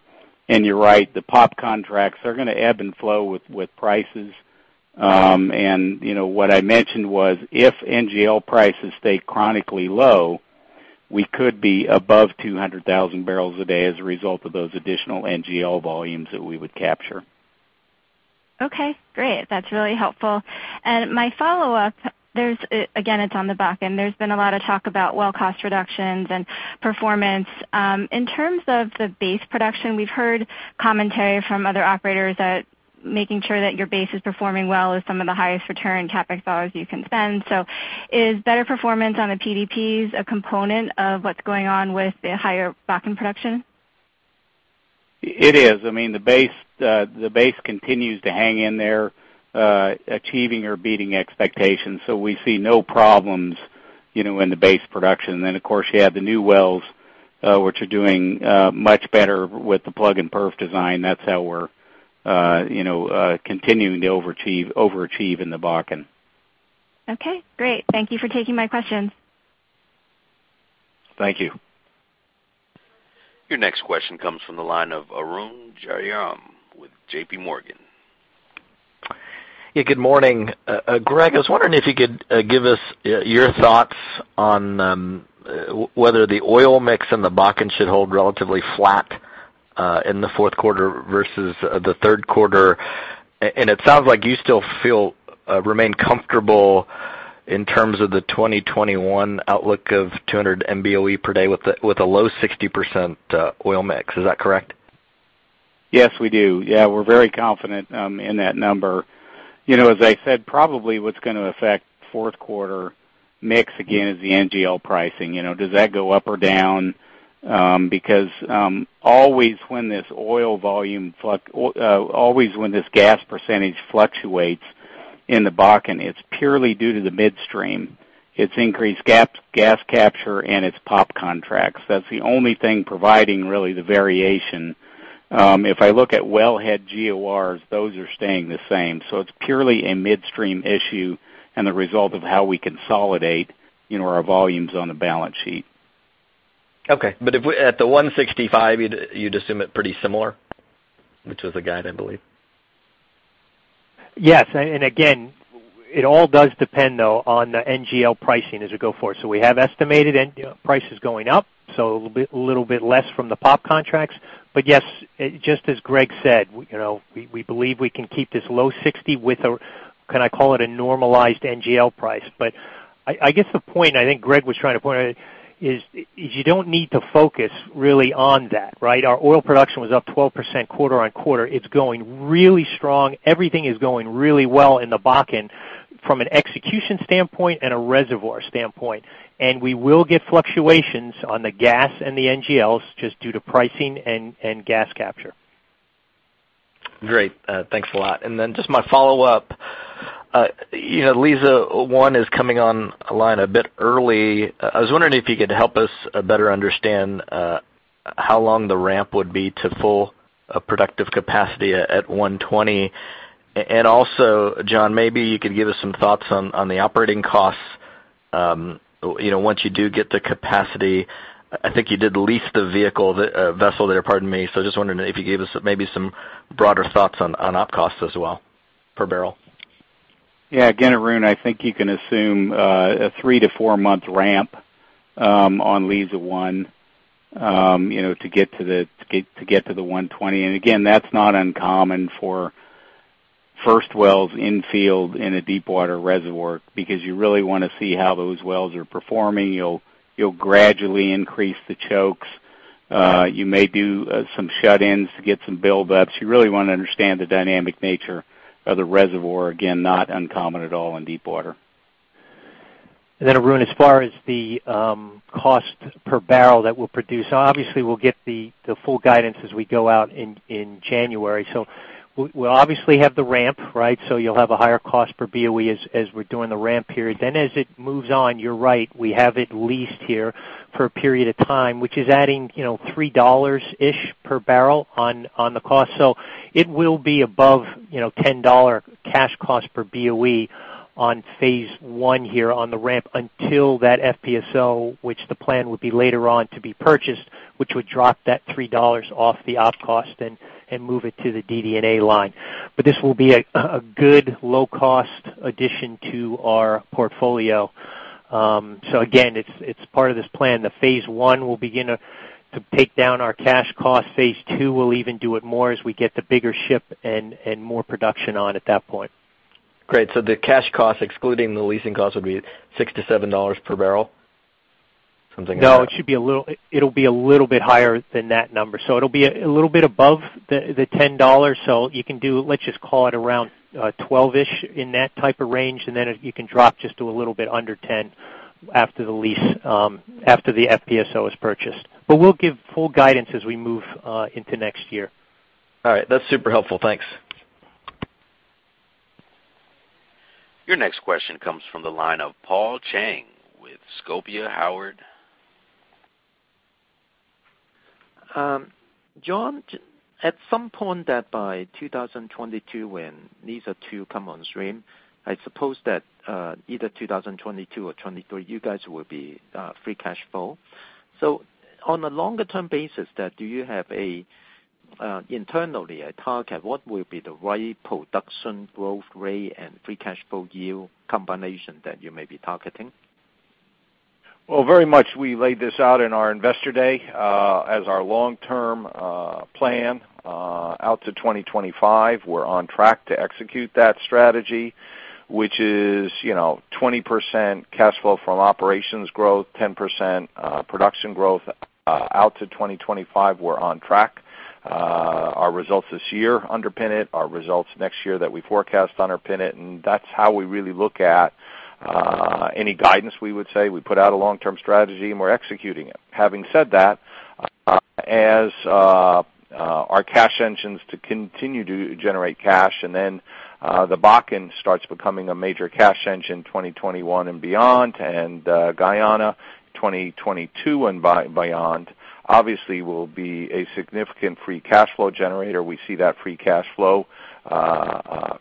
You're right, the POP contracts are going to ebb and flow with prices. What I mentioned was if NGL prices stay chronically low, we could be above 200,000 barrels a day as a result of those additional NGL volumes that we would capture. Okay, great. That's really helpful. My follow-up, again, it's on the back end. There's been a lot of talk about well cost reductions and performance. In terms of the base production, we've heard commentary from other operators that making sure that your base is performing well is some of the highest return CapEx dollars you can spend. Is better performance on the PDPs a component of what's going on with the higher Bakken production? It is. The base continues to hang in there, achieving or beating expectations. We see no problems in the base production. Of course, you have the new wells, which are doing much better with the plug and perf design. That's how we're continuing to overachieve in the Bakken. Okay, great. Thank you for taking my questions. Thank you. Your next question comes from the line of Arun Jayaram with JPMorgan. Yeah, good morning. Greg, I was wondering if you could give us your thoughts on whether the oil mix in the Bakken should hold relatively flat in the fourth quarter versus the third quarter. It sounds like you still remain comfortable in terms of the 2021 outlook of 200 MBOE per day with a low 60% oil mix. Is that correct? Yes, we do. Yeah, we're very confident in that number. As I said, probably what's going to affect fourth quarter mix again is the NGL pricing. Does that go up or down? Always when this gas percentage fluctuates in the Bakken, it's purely due to the midstream. It's increased gas capture, and it's POP contracts. That's the only thing providing really the variation. If I look at wellhead GORs, those are staying the same. It's purely a midstream issue and the result of how we consolidate our volumes on the balance sheet. Okay. At the 165, you'd assume it pretty similar? Which was the guide, I believe. Yes. Again, it all does depend, though, on the NGL pricing as we go forward. We have estimated prices going up, a little bit less from the POP contracts. Yes, just as Greg said, we believe we can keep this low 60 with a, can I call it a normalized NGL price? I guess the point I think Greg was trying to point out is you don't need to focus really on that, right? Our oil production was up 12% quarter-on-quarter. It's going really strong. Everything is going really well in the Bakken from an execution standpoint and a reservoir standpoint. We will get fluctuations on the gas and the NGLs just due to pricing and gas capture. Great. Thanks a lot. Just my follow-up. Liza 1 is coming online a bit early. I was wondering if you could help us better understand how long the ramp would be to full productive capacity at 120. John, maybe you could give us some thoughts on the operating costs once you do get to capacity. I think you did lease the vessel there. I was just wondering if you gave us maybe some broader thoughts on op costs as well per barrel. Yeah. Again, Arun, I think you can assume a three to four-month ramp on Liza 1 to get to the 120. Again, that's not uncommon for first wells in field in a deepwater reservoir because you really want to see how those wells are performing. You'll gradually increase the chokes. You may do some shut-ins to get some buildups. You really want to understand the dynamic nature of the reservoir. Again, not uncommon at all in deepwater. Arun, as far as the cost per barrel that we'll produce, obviously we'll get the full guidance as we go out in January. We'll obviously have the ramp, right? You'll have a higher cost per BOE as we're doing the ramp period. As it moves on, you're right, we have it leased here for a period of time, which is adding $3-ish per barrel on the cost. It will be above $10 cash cost per BOE on phase 1 here on the ramp until that FPSO, which the plan would be later on to be purchased, which would drop that $3 off the op cost and move it to the DD&A line. This will be a good low-cost addition to our portfolio. Again, it's part of this plan. The phase 1 will begin to take down our cash cost. Phase 2 will even do it more as we get the bigger ship and more production on at that point. Great. The cash cost, excluding the leasing cost, would be $6-$7 per barrel? Something like that. No, it'll be a little bit higher than that number. It'll be a little bit above the $10. Let's just call it around $12-ish, in that type of range, and then you can drop just to a little bit under $10 after the FPSO is purchased. We'll give full guidance as we move into next year. All right. That's super helpful. Thanks. Your next question comes from the line of Paul Cheng with Scotiabank. John, at some point that by 2022, when Liza 2 come on stream, I suppose that either 2022 or 2023, you guys will be free cash flow. On a longer-term basis, do you have internally a target? What will be the right production growth rate and free cash flow yield combination that you may be targeting? Well, very much we laid this out in our Investor Day as our long-term plan out to 2025. We're on track to execute that strategy, which is 20% cash flow from operations growth, 10% production growth out to 2025. We're on track. Our results this year underpin it, our results next year that we forecast underpin it, and that's how we really look at any guidance, we would say. We put out a long-term strategy, and we're executing it. Having said that, as our cash engines to continue to generate cash, and then the Bakken starts becoming a major cash engine 2021 and beyond, and Guyana 2022 and beyond, obviously will be a significant free cash flow generator. We see that free cash flow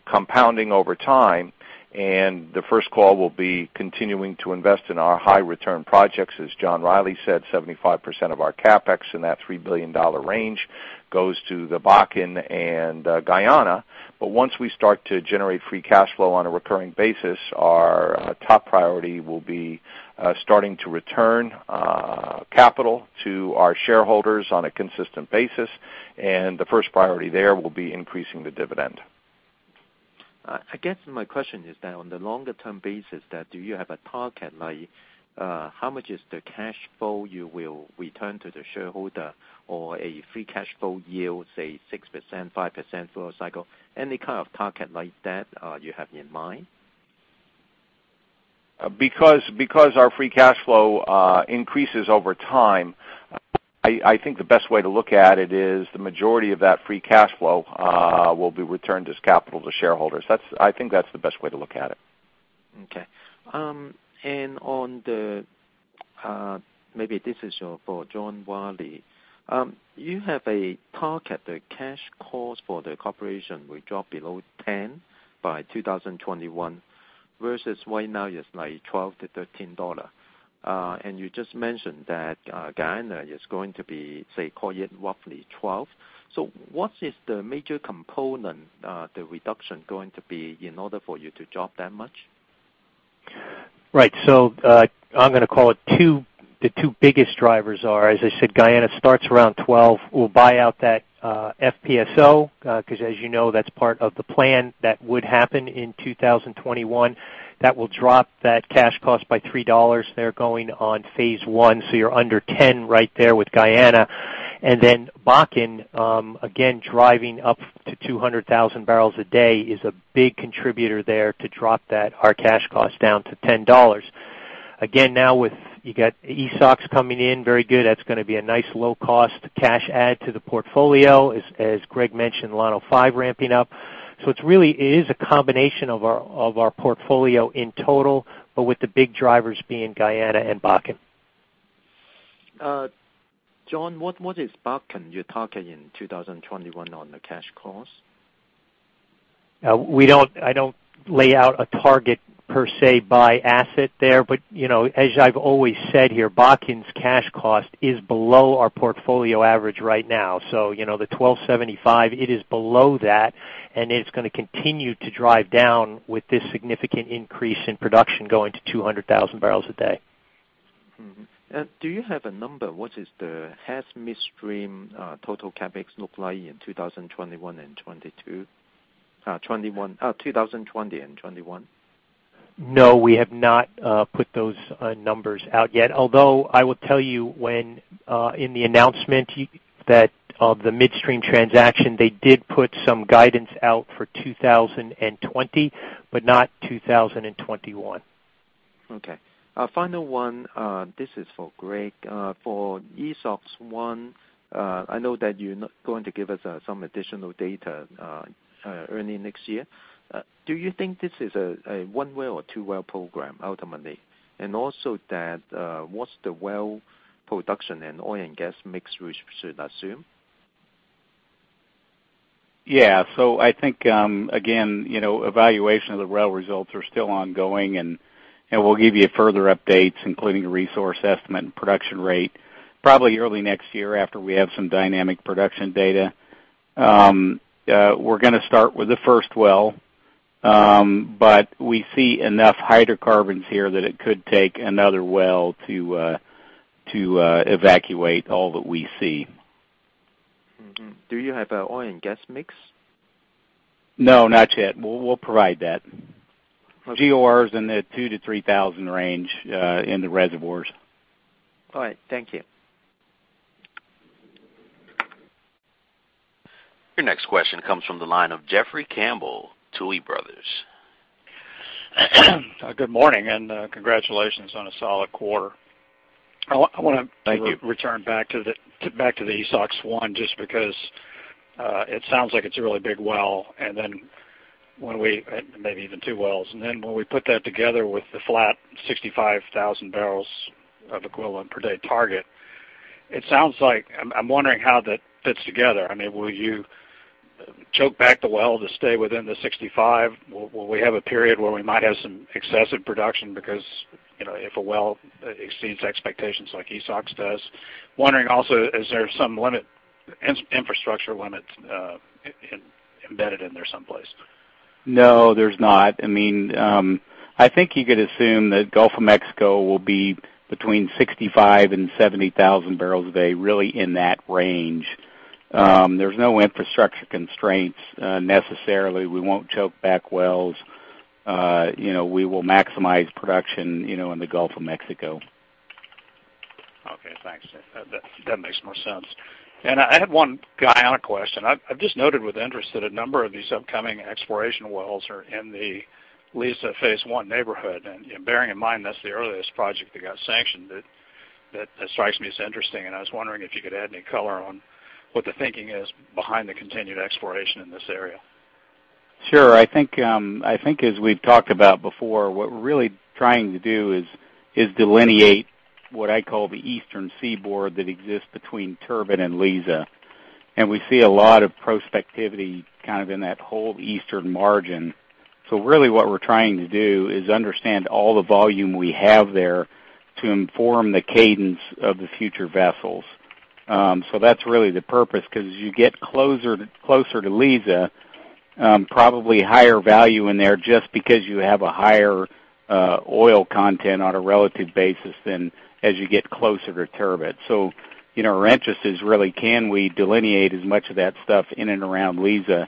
compounding over time, and the first call will be continuing to invest in our high return projects. As John Rielly said, 75% of our CapEx in that $3 billion range goes to the Bakken and Guyana. Once we start to generate free cash flow on a recurring basis, our top priority will be starting to return capital to our shareholders on a consistent basis, and the first priority there will be increasing the dividend. I guess my question is that on the longer-term basis, do you have a target? How much is the cash flow you will return to the shareholder or a free cash flow yield, say 6%, 5% for a cycle? Any kind of target like that you have in mind? Our free cash flow increases over time, I think the best way to look at it is the majority of that free cash flow will be returned as capital to shareholders. I think that's the best way to look at it. Okay. Maybe this is for John Rielly. You have a target, the cash cost for the corporation will drop below ten by 2021, versus right now it's $12-$13. You just mentioned that Guyana is going to be, say, call it roughly $12. What is the major component the reduction going to be in order for you to drop that much? Right. I'm going to call it the two biggest drivers are, as I said, Guyana starts around 12. We'll buy out that FPSO because as you know, that's part of the plan that would happen in 2021. That will drop that cash cost by $3 there going on phase 1. You're under 10 right there with Guyana. Bakken, again, driving up to 200,000 barrels a day is a big contributor there to drop our cash cost down to $10. Again, now you got Esox coming in very good. That's going to be a nice low-cost cash add to the portfolio. As Greg mentioned, Llano-5 ramping up. It really is a combination of our portfolio in total, but with the big drivers being Guyana and Bakken. John, what is Bakken you target in 2021 on the cash cost? I don't lay out a target per se by asset there. As I've always said here, Bakken's cash cost is below our portfolio average right now. The $12.75, it is below that, and it's going to continue to drive down with this significant increase in production going to 200,000 barrels a day. Mm-hmm. Do you have a number? What is the Hess Midstream total CapEx look like in 2020 and 2021? No, we have not put those numbers out yet. I will tell you in the announcement of the midstream transaction, they did put some guidance out for 2020, but not 2021. Okay. Final one. This is for Greg. For Esox-1, I know that you're not going to give us some additional data early next year. Do you think this is a one-well or two-well program ultimately? Also that, what's the well production in oil and gas mix we should assume? Yeah. I think again, evaluation of the well results are still ongoing, and we'll give you further updates, including a resource estimate and production rate, probably early next year after we have some dynamic production data. We're going to start with the first well, but we see enough hydrocarbons here that it could take another well to evacuate all that we see. Mm-hmm. Do you have an oil and gas mix? No, not yet. We'll provide that. GORs in the 2,000-3,000 range in the reservoirs. All right. Thank you. Your next question comes from the line of Jeffrey Campbell, Tuohy Brothers. Good morning, congratulations on a solid quarter. Thank you. I want to return back to the Esox-1, just because it sounds like it's a really big well, maybe even two wells. When we put that together with the flat 65,000 barrels of equivalent per day target, I'm wondering how that fits together. Will you choke back the well to stay within the 65? Will we have a period where we might have some excessive production because if a well exceeds expectations like Esox does? Wondering also, is there some infrastructure limit embedded in there someplace? No, there's not. I think you could assume that Gulf of Mexico will be between 65,000 and 70,000 barrels a day, really in that range. There's no infrastructure constraints necessarily. We won't choke back wells. We will maximize production in the Gulf of Mexico. Okay, thanks. That makes more sense. I had one Guyana question. I've just noted with interest that a number of these upcoming exploration wells are in the Liza Phase 1 neighborhood, and bearing in mind that's the earliest project that got sanctioned, that strikes me as interesting. I was wondering if you could add any color on what the thinking is behind the continued exploration in this area. Sure. I think as we've talked about before, what we're really trying to do is delineate what I call the eastern seaboard that exists between Turbot and Liza. We see a lot of prospectivity kind of in that whole eastern margin. Really what we're trying to do is understand all the volume we have there to inform the cadence of the future vessels. That's really the purpose, because as you get closer to Liza, probably higher value in there just because you have a higher oil content on a relative basis than as you get closer to Turbot. Our interest is really can we delineate as much of that stuff in and around Liza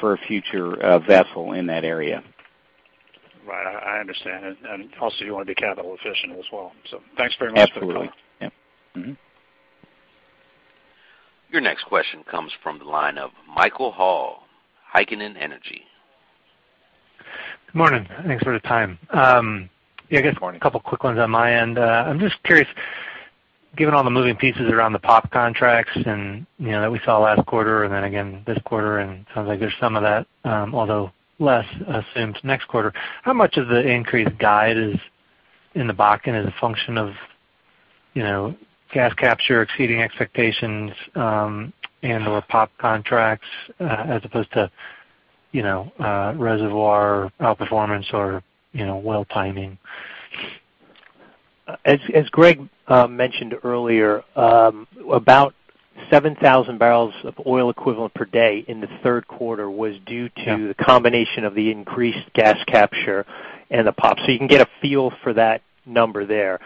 for a future vessel in that area? Right. I understand. Also you want to be capital efficient as well. Thanks very much for the color. Absolutely. Yep. Mm-hmm. Your next question comes from the line of Michael Hall, Heikkinen Energy Advisors. Good morning. Thanks for the time. Good morning. Yeah, I guess a couple quick ones on my end. I'm just curious, given all the moving pieces around the POP contracts that we saw last quarter, and then again this quarter, and it sounds like there's some of that, although less assumed next quarter, how much of the increased guide is in the Bakken as a function of gas capture exceeding expectations, and/or POP contracts as opposed to reservoir outperformance or well timing? As Greg mentioned earlier, about 7,000 barrels of oil equivalent per day in the third quarter was due to the combination of the increased gas capture and the POP. You can get a feel for that number there.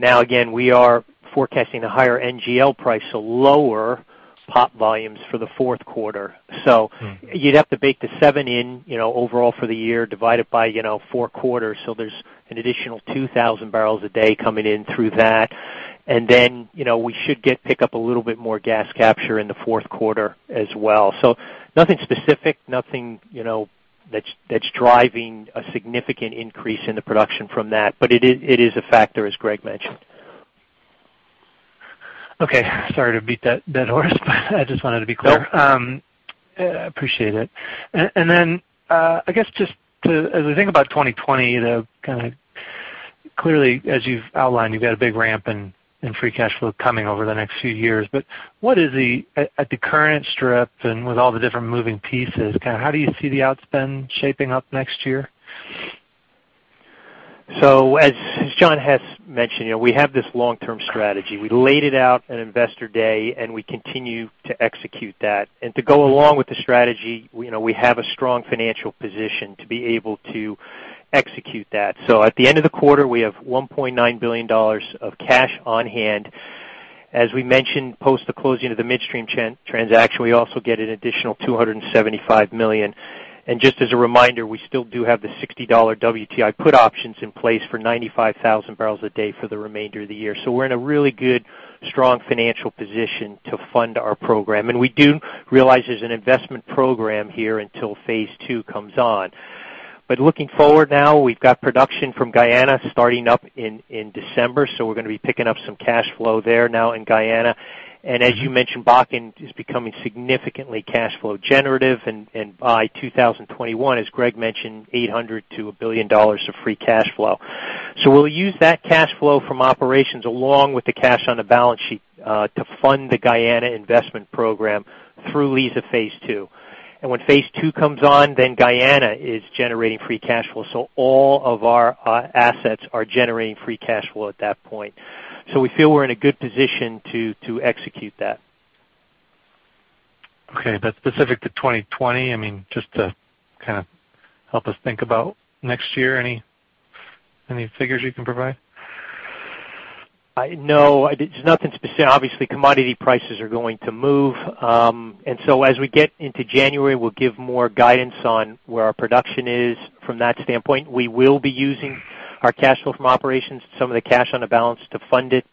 Now, again, we are forecasting a higher NGL price, so lower POP volumes for the fourth quarter. You'd have to bake the seven in overall for the year, divide it by four quarters. There's an additional 2,000 barrels a day coming in through that. We should pick up a little bit more gas capture in the fourth quarter as well. Nothing specific, nothing that's driving a significant increase in the production from that. It is a factor, as Greg mentioned. Okay. Sorry to beat that horse, but I just wanted to be clear. No. I appreciate it. I guess just as we think about 2020, clearly, as you've outlined, you've got a big ramp in free cash flow coming over the next few years. At the current strip and with all the different moving pieces, how do you see the outspend shaping up next year? As John Hess mentioned, we have this long-term strategy. We laid it out at Investor Day, and we continue to execute that. To go along with the strategy, we have a strong financial position to be able to execute that. At the end of the quarter, we have $1.9 billion of cash on hand. As we mentioned, post the closing of the midstream transaction, we also get an additional $275 million. Just as a reminder, we still do have the $60 WTI put options in place for 95,000 barrels a day for the remainder of the year. We're in a really good, strong financial position to fund our program. We do realize there's an investment program here until phase two comes on. Looking forward now, we've got production from Guyana starting up in December, so we're going to be picking up some cash flow there now in Guyana. As you mentioned, Bakken is becoming significantly cash flow generative, and by 2021, as Greg mentioned, $800 million-$1 billion of free cash flow. We'll use that cash flow from operations along with the cash on the balance sheet to fund the Guyana investment program through Liza Phase 2. When Phase 2 comes on, then Guyana is generating free cash flow. All of our assets are generating free cash flow at that point. We feel we're in a good position to execute that. Okay. Specific to 2020, just to help us think about next year, any figures you can provide? No. There's nothing specific. Obviously, commodity prices are going to move. As we get into January, we'll give more guidance on where our production is from that standpoint. We will be using our cash flow from operations, some of the cash on the balance to fund it.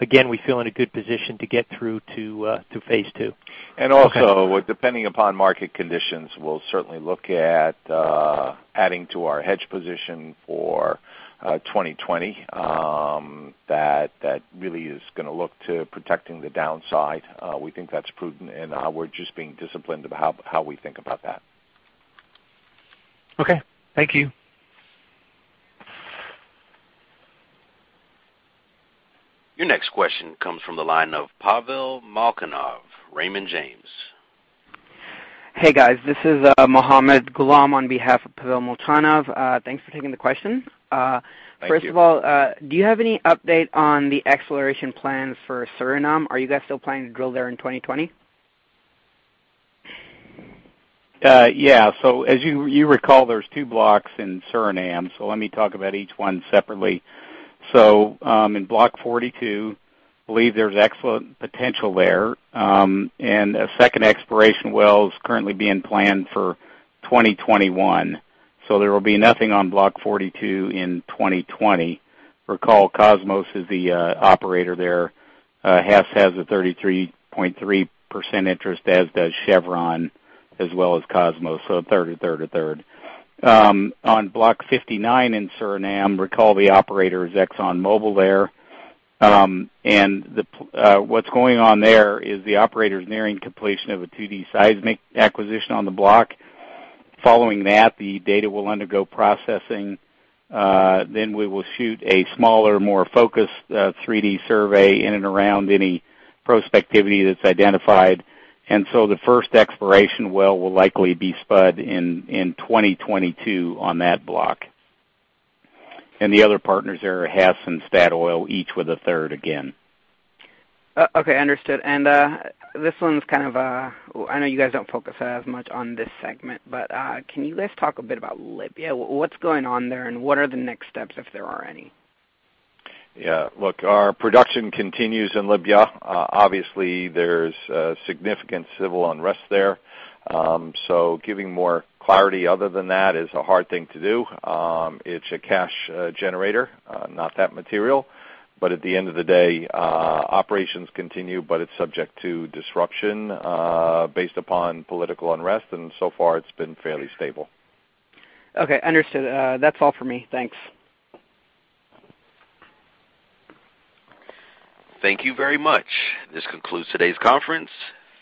Again, we feel in a good position to get through to Phase 2. Okay. Also, depending upon market conditions, we'll certainly look at adding to our hedge position for 2020. That really is going to look to protecting the downside. We think that's prudent, and we're just being disciplined about how we think about that. Okay. Thank you. Your next question comes from the line of Pavel Molchanov, Raymond James. Hey, guys. This is Mohammed Ghulam on behalf of Pavel Molchanov. Thanks for taking the question. Thank you. First of all, do you have any update on the exploration plans for Suriname? Are you guys still planning to drill there in 2020? Yeah. As you recall, there's two blocks in Suriname, so let me talk about each one separately. In Block 42, believe there's excellent potential there. A second exploration well is currently being planned for 2021. There will be nothing on Block 42 in 2020. Recall, Kosmos is the operator there. Hess has a 33.3% interest, as does Chevron, as well as Kosmos, so third, a third, a third. On Block 59 in Suriname, recall the operator is ExxonMobil there. What's going on there is the operator's nearing completion of a 2D seismic acquisition on the block. Following that, the data will undergo processing. We will shoot a smaller, more focused 3D survey in and around any prospectivity that's identified. The first exploration well will likely be spud in 2022 on that block. The other partners there are Hess and Statoil, each with a third again. Okay, understood. This one's kind of I know you guys don't focus as much on this segment, but can you guys talk a bit about Libya? What's going on there, and what are the next steps, if there are any? Yeah. Look, our production continues in Libya. Obviously, there's significant civil unrest there. Giving more clarity other than that is a hard thing to do. It's a cash generator, not that material. At the end of the day, operations continue, but it's subject to disruption based upon political unrest, and so far it's been fairly stable. Okay, understood. That's all for me. Thanks. Thank you very much. This concludes today's conference.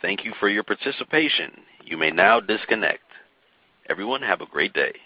Thank you for your participation. You may now disconnect. Everyone, have a great day.